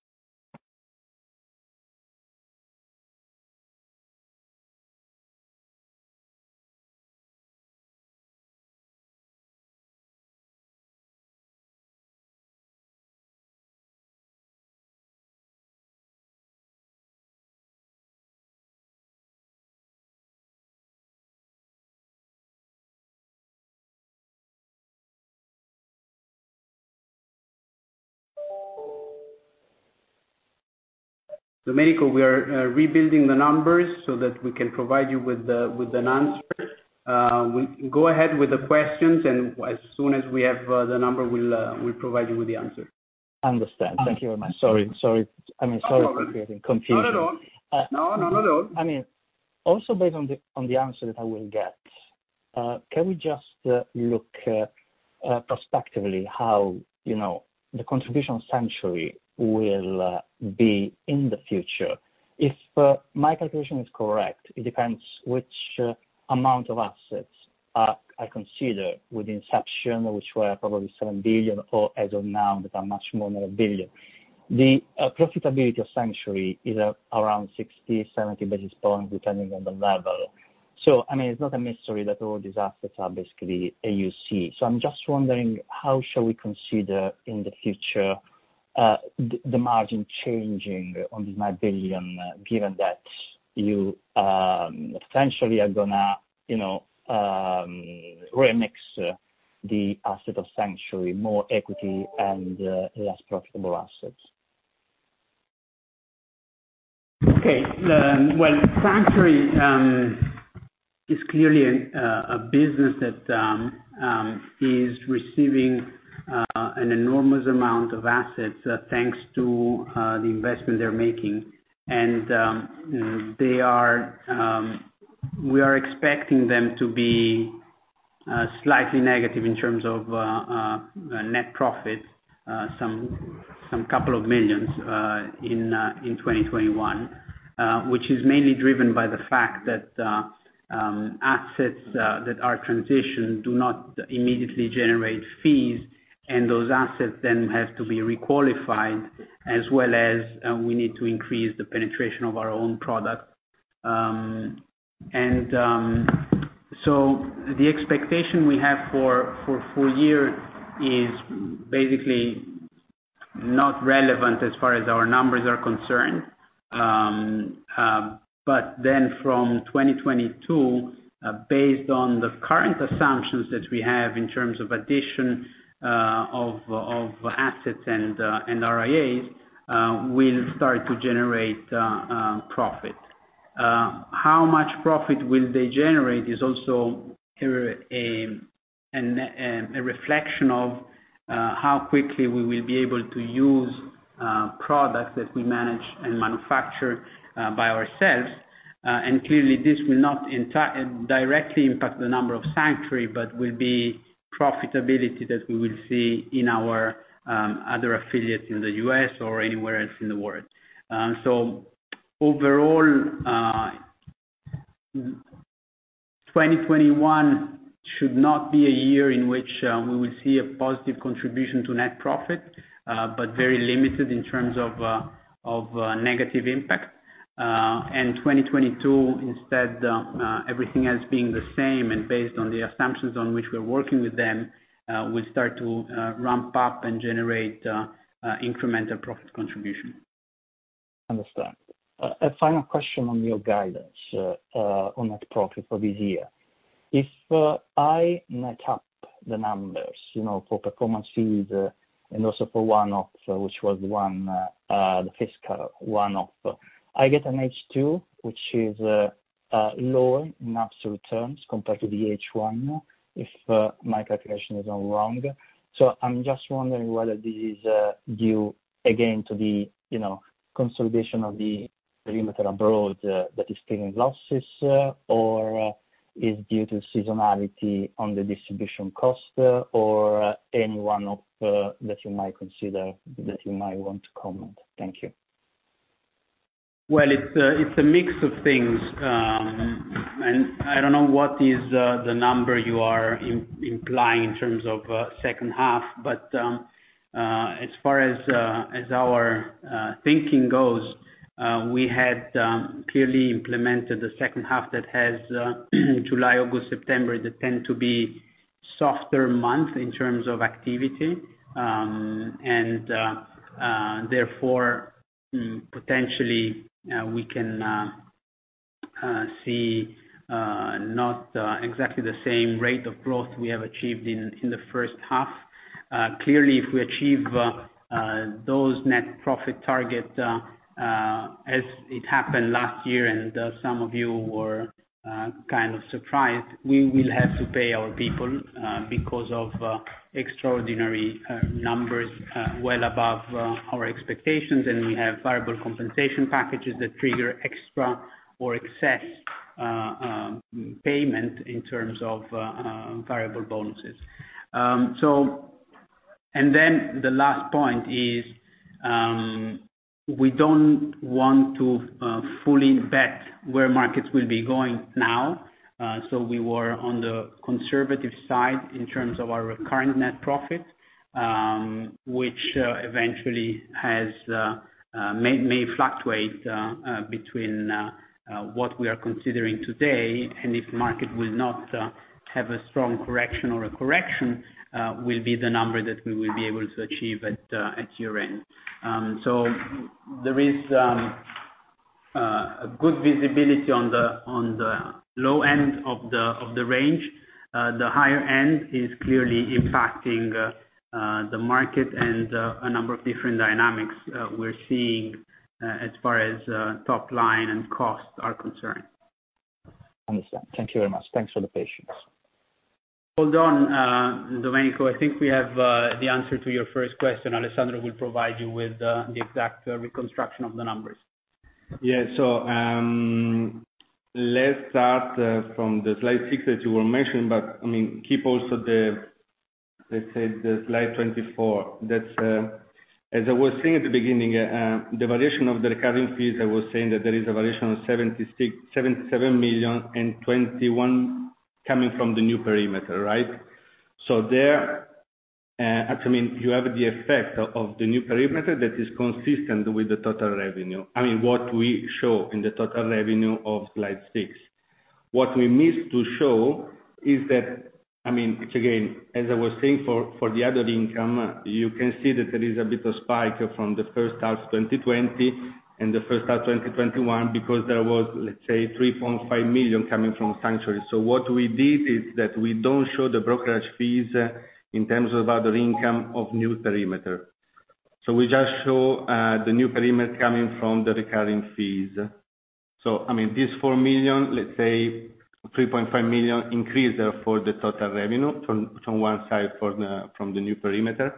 Domenico, we are rebuilding the numbers so that we can provide you with an answer. Go ahead with the questions, and as soon as we have the number, we will provide you with the answer. Understand. Thank you very much. Sorry. No problem. I'm sorry for getting confused. Not at all. Based on the answer that I will get, can we just look prospectively how the contribution of Sanctuary will be in the future? If my calculation is correct, it depends which amount of assets I consider with inception, which were probably $7 billion or as of now that are much more than $1 billion. The profitability of Sanctuary is around 60, 70 basis points, depending on the level. It's not a mystery that all these assets are basically AUC. I'm just wondering how shall we consider in the future, the margin changing on this $9 billion, given that you potentially are going to remix the asset of Sanctuary, more equity and less profitable assets. Okay. Well, Sanctuary is clearly a business that is receiving an enormous amount of assets, thanks to the investment they're making. We are expecting them to be slightly negative in terms of net profit, some couple of millions, in 2021, which is mainly driven by the fact that assets that are transitioned do not immediately generate fees, and those assets then have to be re-qualified as well as we need to increase the penetration of our own product. The expectation we have for full year is basically not relevant as far as our numbers are concerned. From 2022, based on the current assumptions that we have in terms of addition of assets and RIAs, we'll start to generate profit. How much profit will they generate is also a reflection of how quickly we will be able to use products that we manage and manufacture by ourselves. Clearly, this will not directly impact the number of Sanctuary, but will be profitability that we will see in our other affiliates in the U.S. or anywhere else in the world. Overall, 2021 should not be a year in which we will see a positive contribution to net profit, but very limited in terms of negative impact. 2022, instead, everything else being the same and based on the assumptions on which we're working with them, we start to ramp up and generate incremental profit contribution. Understand. A final question on your guidance on net profit for this year. If I match up the numbers for performance fees and also for one-off, which was the fiscal one-off, I get an H2, which is lower in absolute terms compared to the H1, if my calculation is not wrong. I'm just wondering whether this is due again to the consolidation of the perimeter abroad that is carrying losses or is due to seasonality on the distribution cost or any one that you might consider that you might want to comment? Thank you. It's a mix of things. I don't know what is the number you are implying in terms of second half, but as far as our thinking goes, we had clearly implemented the second half that has July, August, September, that tend to be softer months in terms of activity. Therefore, potentially, we can see not exactly the same rate of growth we have achieved in the first half. Clearly, if we achieve those net profit targets, as it happened last year, and some of you were kind of surprised, we will have to pay our people because of extraordinary numbers well above our expectations. We have variable compensation packages that trigger extra or excess payment in terms of variable bonuses. The last point is, we don't want to fully bet where markets will be going now. We were on the conservative side in terms of our recurring net profit, which eventually may fluctuate between what we are considering today, and if market will not have a strong correction or a correction, will be the number that we will be able to achieve at year-end. There is a good visibility on the low end of the range. The higher end is clearly impacting the market and a number of different dynamics we're seeing as far as top line and costs are concerned. Understand. Thank you very much. Thanks for the patience. Hold on, Domenico. I think we have the answer to your first question. Alessandro will provide you with the exact reconstruction of the numbers. Yeah. Let's start from the slide six that you were mentioning, but keep also the slide 24. As I was saying at the beginning, the valuation of the recurring fees, I was saying that there is a valuation of 77 million, and 21 million coming from the new perimeter. Right? Actually, you have the effect of the new perimeter that is consistent with the total revenue. I mean, what we show in the total revenue of slide six. What we missed to show is that, which again, as I was saying for the other income, you can see that there is a bit of spike from the first half 2020 and the first half 2021 because there was, let's say, 3.5 million coming from Sanctuary. What we did is that we don't show the brokerage fees in terms of other income of new perimeter. We just show the new perimeter coming from the recurring fees. This 4 million, let's say 3.5 million, increase for the total revenue from one side from the new perimeter.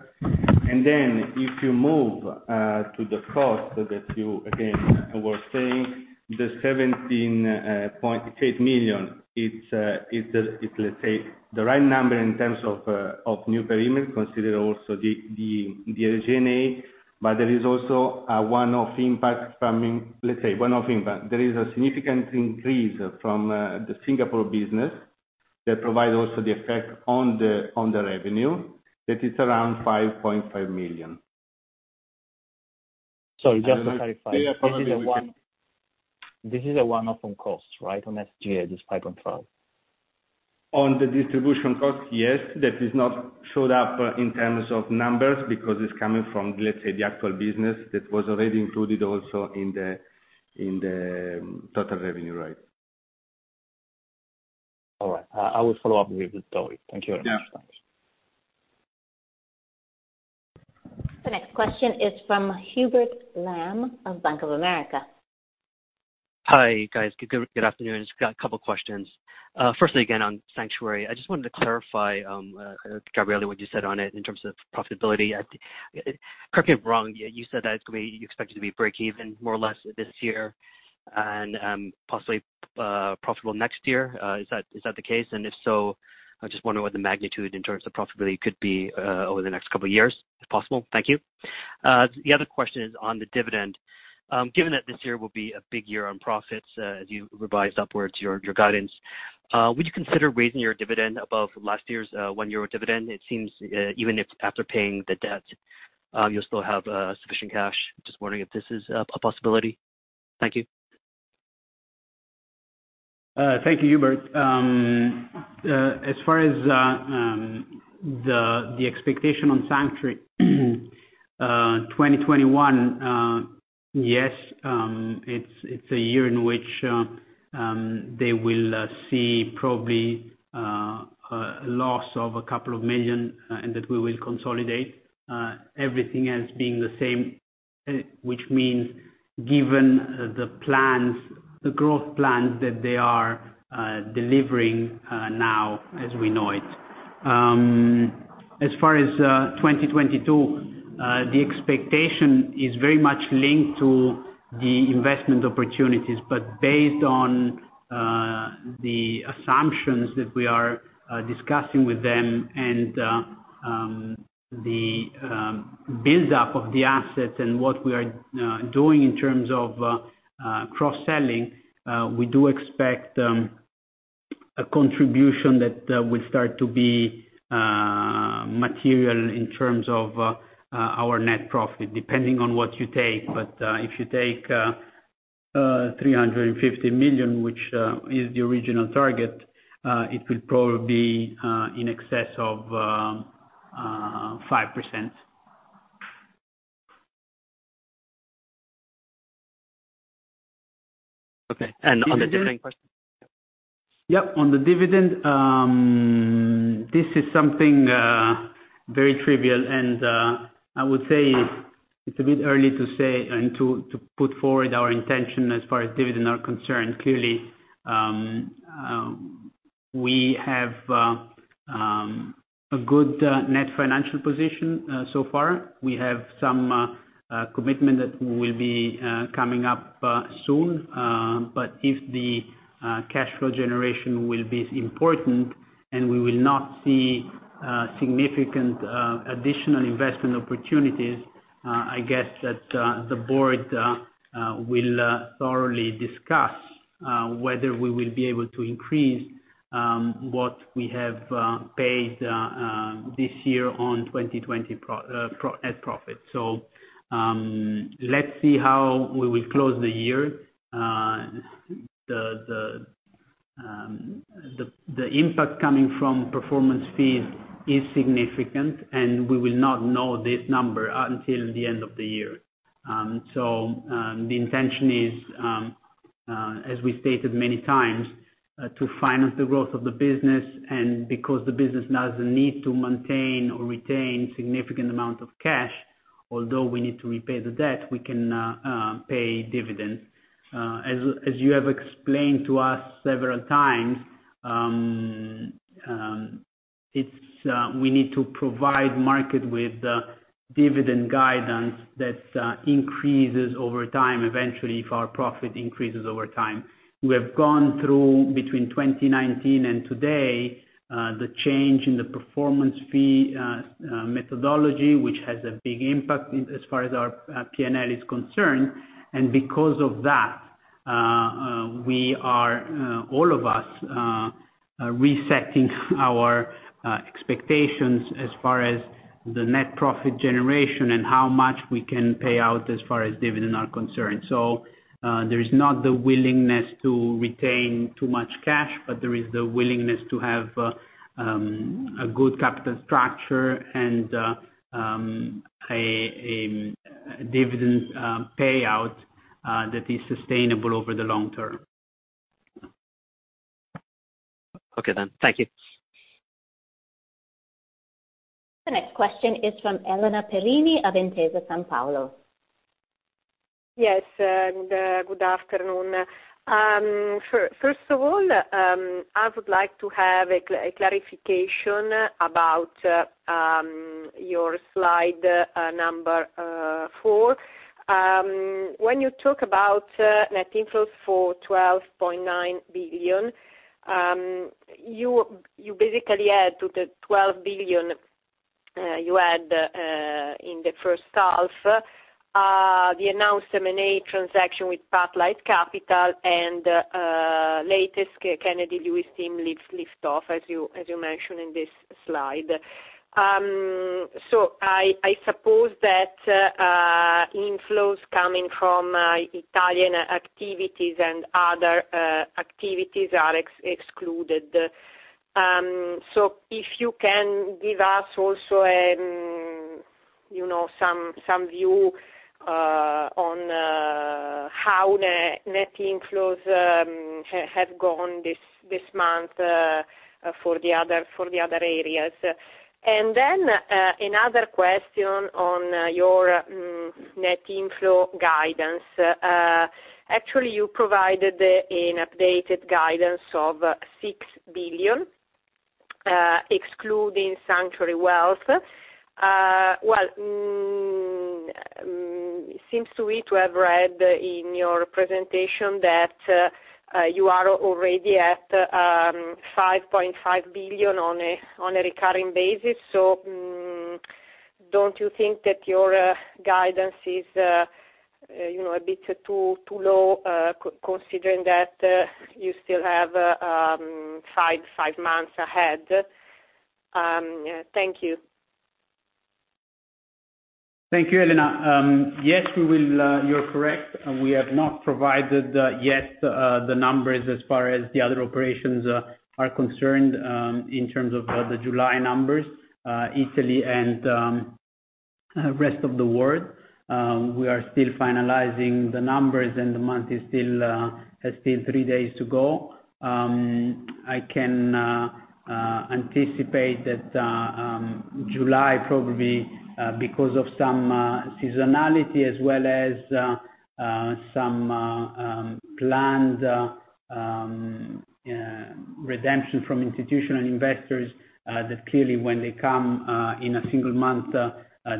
If you move to the cost that you, again, were saying, the 17.8 million, it's let's say, the right number in terms of new perimeter, consider also the SG&A. There is also a one-off impact. There is a significant increase from the Singapore business that provide also the effect on the revenue that is around 5.5 million. Sorry, just to clarify. Yeah. This is a one-off cost, right? On SG&A, this 5.5? On the distribution cost, yes. That has not showed up in terms of numbers because it's coming from the actual business that was already included also in the total revenue. Right. All right. I will follow up with Dory. Thank you very much. Yeah. Thanks. The next question is from Hubert Lam of Bank of America. Hi, guys. Good afternoon. Just got a couple questions. Firstly, again, on Sanctuary. I just wanted to clarify, Gabriele, what you said on it in terms of profitability. Correct me if I'm wrong, you said that you expect it to be breakeven more or less this year, and possibly profitable next year. Is that the case? If so, I just wonder what the magnitude in terms of profitability could be over the next couple of years, if possible. Thank you. The other question is on the dividend. Given that this year will be a big year on profits, as you revised upwards your guidance, would you consider raising your dividend above last year's 1 euro dividend? It seems, even if after paying the debt, you'll still have sufficient cash. Just wondering if this is a possibility. Thank you. Thank you, Hubert. As far as the expectation on Sanctuary 2021, yes, it's a year in which they will see probably a loss of 2 million, and that we will consolidate. Everything else being the same, which means given the growth plans that they are delivering now as we know it. As far as 2022, the expectation is very much linked to the investment opportunities. Based on the assumptions that we are discussing with them and the build-up of the assets and what we are doing in terms of cross-selling, we do expect a contribution that will start to be material in terms of our net profit, depending on what you take. If you take 350 million, which is the original target, it will probably be in excess of 5%. Okay. On the dividend question? Yep. On the dividend, this is something very trivial, and I would say it's a bit early to say and to put forward our intention as far as dividend are concerned. Clearly, we have a good net financial position so far. We have some commitment that will be coming up soon. If the cash flow generation will be important and we will not see significant additional investment opportunities, I guess that the board will thoroughly discuss whether we will be able to increase what we have paid this year on 2020 net profit. Let's see how we will close the year. The impact coming from performance fee is significant, and we will not know this number until the end of the year. The intention is, as we stated many times, to finance the growth of the business, and because the business doesn't need to maintain or retain significant amount of cash, although we need to repay the debt, we can pay dividends. As you have explained to us several times, we need to provide market with dividend guidance that increases over time eventually, if our profit increases over time. We have gone through, between 2019 and today, the change in the performance fee methodology, which has a big impact as far as our P&L is concerned. Because of that, we are, all of us, resetting our expectations as far as the net profit generation and how much we can pay out as far as dividend are concerned. There is not the willingness to retain too much cash, but there is the willingness to have a good capital structure, and a dividend payout that is sustainable over the long term. Okay, then. Thank you. The next question is from Elena Perini of Intesa Sanpaolo. Yes. Good afternoon. First of all, I would like to have a clarification about your slide number four. When you talk about net inflows for 12.9 billion, you basically add to the 12 billion you had in the first half, the announced M&A transaction with Pathlight Capital, and latest Kennedy Lewis team lift-off, as you mentioned in this slide. I suppose that inflows coming from Italian activities and other activities are excluded. Then another question on your net inflow guidance. Actually, you provided an updated guidance of 6 billion, excluding Sanctuary Wealth. Well, it seems to me to have read in your presentation that you are already at 5.5 billion on a recurring basis. Don't you think that your guidance is a bit too low, considering that you still have five months ahead? Thank you. Thank you, Elena. Yes, you're correct. We have not provided yet the numbers as far as the other operations are concerned in terms of the July numbers, Italy and rest of the world. We are still finalizing the numbers, and the month has still three days to go. I can anticipate that July probably, because of some seasonality as well as some planned redemption from institutional investors that clearly when they come in a single month,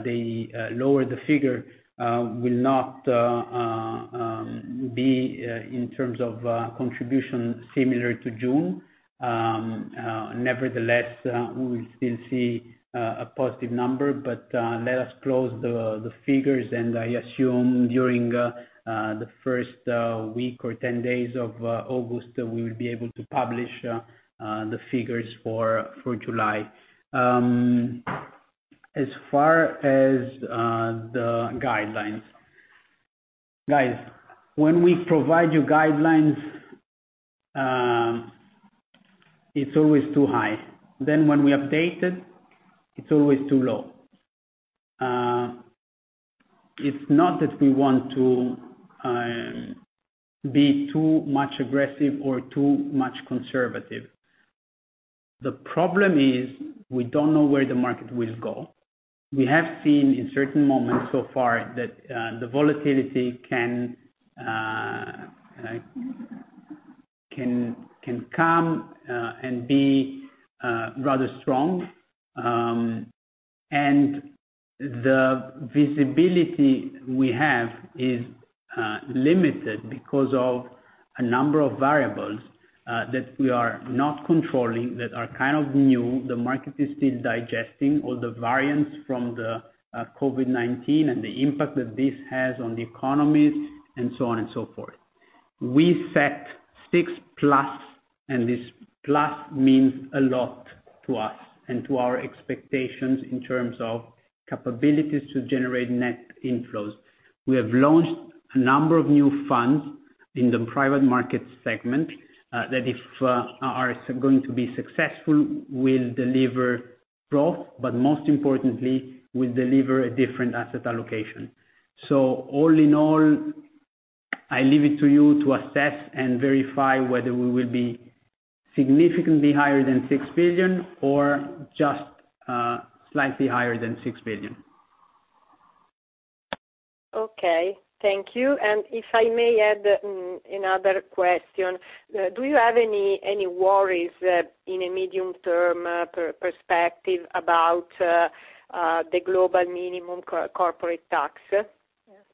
They lower the figure will not be, in terms of contribution, similar to June. Nevertheless, we will still see a positive number. Let us close the figures, and I assume during the first week or 10 days of August, we will be able to publish the figures for July. As far as the guidelines, guys, when we provide you guidelines, it's always too high. When we update it's always too low. It's not that we want to be too much aggressive or too much conservative. The problem is we don't know where the market will go. We have seen in certain moments so far that the volatility can come and be rather strong. The visibility we have is limited because of a number of variables that we are not controlling, that are kind of new. The market is still digesting all the variants from the COVID-19 and the impact that this has on the economies, and so on and so forth. We set 6+. This plus means a lot to us and to our expectations in terms of capabilities to generate net inflows. We have launched a number of new funds in the private market segment, that if are going to be successful, will deliver growth, but most importantly, will deliver a different asset allocation. All in all, I leave it to you to assess and verify whether we will be significantly higher than $6 billion or just slightly higher than $6 billion. Okay. Thank you. If I may add another question. Do you have any worries in a medium-term perspective about the global minimum corporate tax?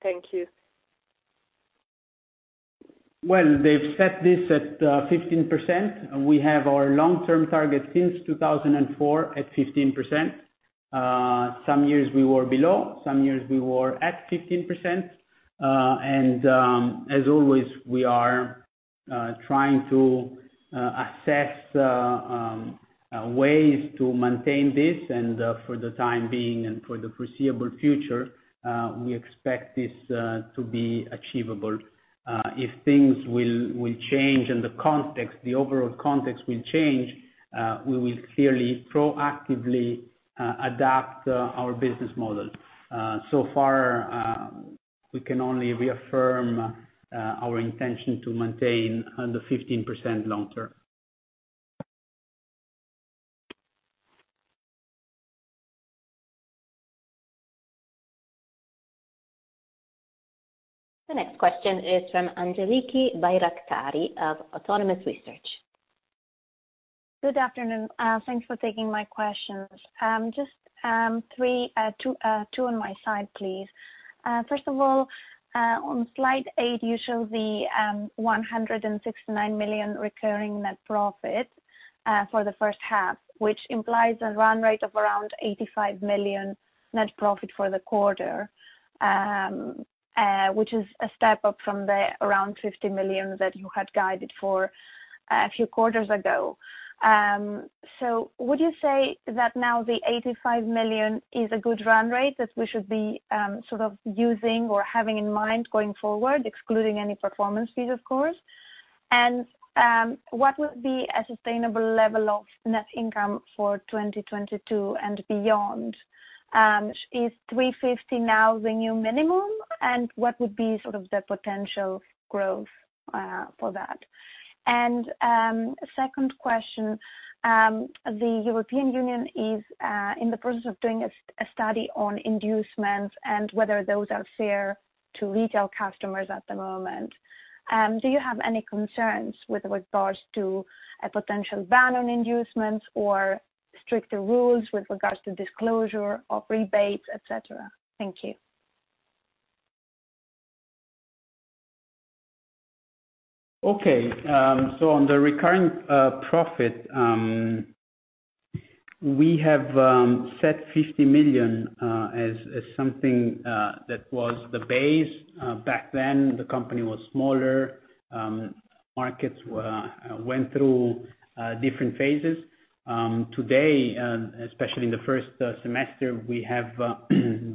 Thank you. Well, they've set this at 15%, and we have our long-term target since 2004 at 15%. Some years we were below, some years we were at 15%. As always, we are trying to assess ways to maintain this, and for the time being and for the foreseeable future, we expect this to be achievable. If things will change and the overall context will change, we will clearly, proactively adapt our business model. So far, we can only reaffirm our intention to maintain the 15% long term. The next question is from Angeliki Bairaktari of Autonomous Research. Good afternoon. Thanks for taking my questions. Just two on my side, please. 1st of all, on slide eight, you show the 169 million recurring net profit for the 1st half, which implies a run rate of around 85 million net profit for the quarter, which is a step up from the around 50 million that you had guided for a few quarters ago. Would you say that now the 85 million is a good run rate that we should be sort of using or having in mind going forward, excluding any performance fees, of course? What would be a sustainable level of net income for 2022 and beyond? Is 350 million now the new minimum, and what would be sort of the potential growth for that? 2nd question. The European Union is in the process of doing a study on inducements and whether those are fair to retail customers at the moment. Do you have any concerns with regards to a potential ban on inducements or stricter rules with regards to disclosure of rebates, et cetera? Thank you. Okay. On the recurring profit, we have set 50 million as something that was the base. Back then, the company was smaller, markets went through different phases. Today, especially in the first semester, we have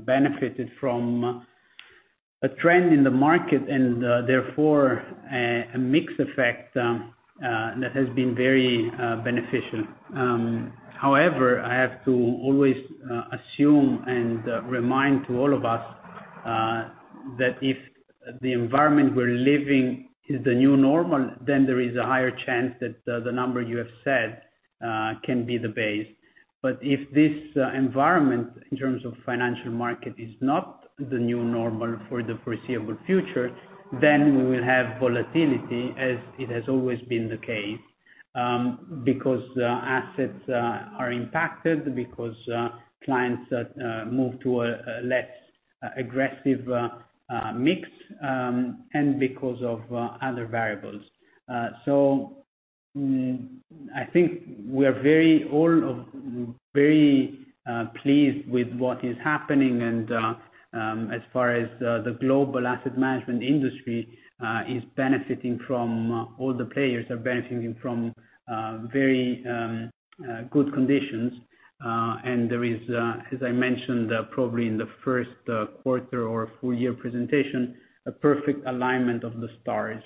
benefited from a trend in the market, and therefore, a mix effect that has been very beneficial. However, I have to always assume and remind to all of us that if the environment we're living is the new normal, then there is a higher chance that the number you have said can be the base. If this environment, in terms of financial market, is not the new normal for the foreseeable future, then we will have volatility as it has always been the case. Because the assets are impacted, because clients move to a less aggressive mix, and because of other variables. I think we're very pleased with what is happening and as far as the global asset management industry is benefiting from all the players, are benefiting from very good conditions. There is, as I mentioned, probably in the Q1 or full year presentation, a perfect alignment of the stars.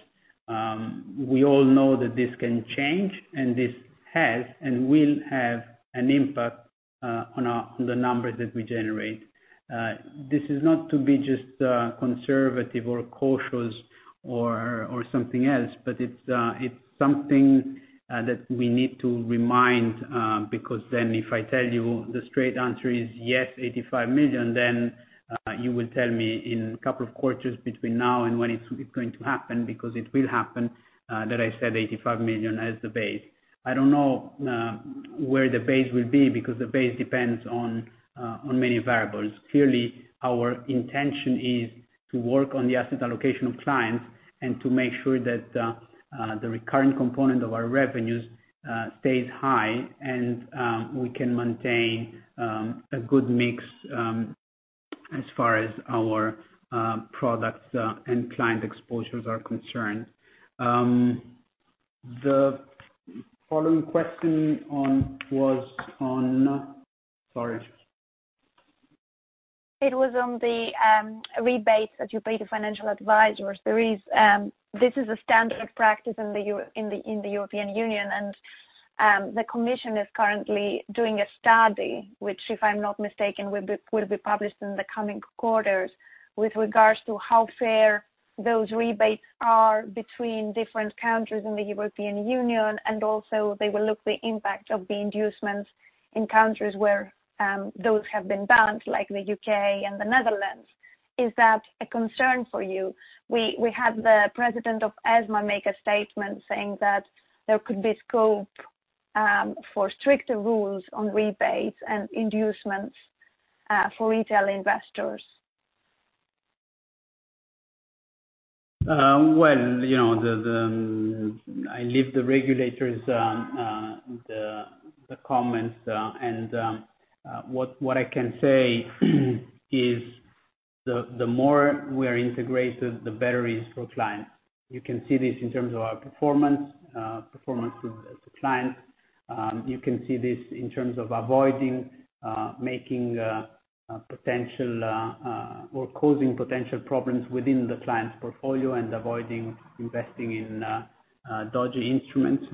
We all know that this can change, and this has, and will have an impact on the numbers that we generate. This is not to be just conservative or cautious or something else, but it's something that we need to remind, because then if I tell you the straight answer is yes, 85 million, then you will tell me in a couple of quarters between now and when it's going to happen, because it will happen, that I said 85 million as the base. I don't know where the base will be because the base depends on many variables. Clearly, our intention is to work on the asset allocation of clients and to make sure that the recurring component of our revenues stays high and we can maintain a good mix as far as our products and client exposures are concerned. The following question on Sorry. It was on the rebates that you pay to financial advisors. This is a standard practice in the European Union. The commission is currently doing a study, which, if I'm not mistaken, will be published in the coming quarters with regards to how fair those rebates are between different countries in the European Union. Also, they will look the impact of the inducements in countries where those have been banned, like the U.K. and the Netherlands. Is that a concern for you? We had the president of ESMA make a statement saying that there could be scope for stricter rules on rebates and inducements for retail investors. Well, I leave the regulators the comments. What I can say is the more we are integrated, the better it is for clients. You can see this in terms of our performance with the clients. You can see this in terms of avoiding making potential or causing potential problems within the client's portfolio and avoiding investing in dodgy instruments.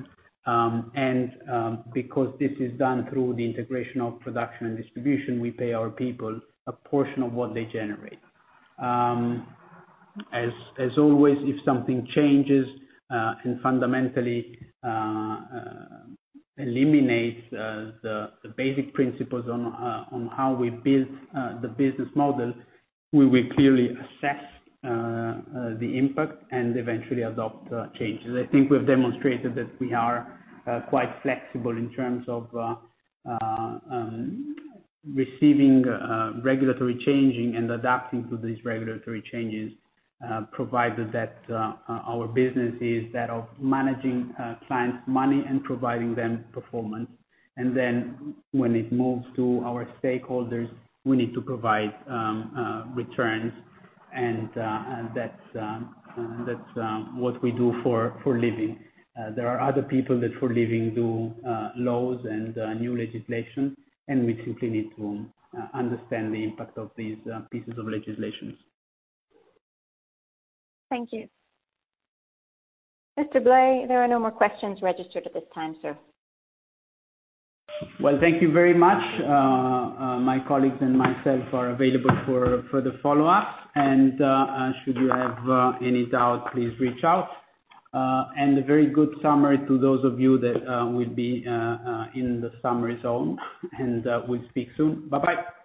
Because this is done through the integration of production and distribution, we pay our people a portion of what they generate. As always, if something changes, fundamentally eliminates the basic principles on how we build the business model, we will clearly assess the impact and eventually adopt changes. I think we've demonstrated that we are quite flexible in terms of receiving regulatory changes and adapting to these regulatory changes, provided that our business is that of managing clients' money and providing them performance. When it moves to our stakeholders, we need to provide returns, and that's what we do for a living. There are other people that for a living do laws and new legislation, we simply need to understand the impact of these pieces of legislation. Thank you. Gabriele Blei, there are no more questions registered at this time, sir. Well, thank you very much. My colleagues and myself are available for the follow-up. Should you have any doubt, please reach out. A very good summer to those of you that will be in the summer zone. We'll speak soon. Bye-bye.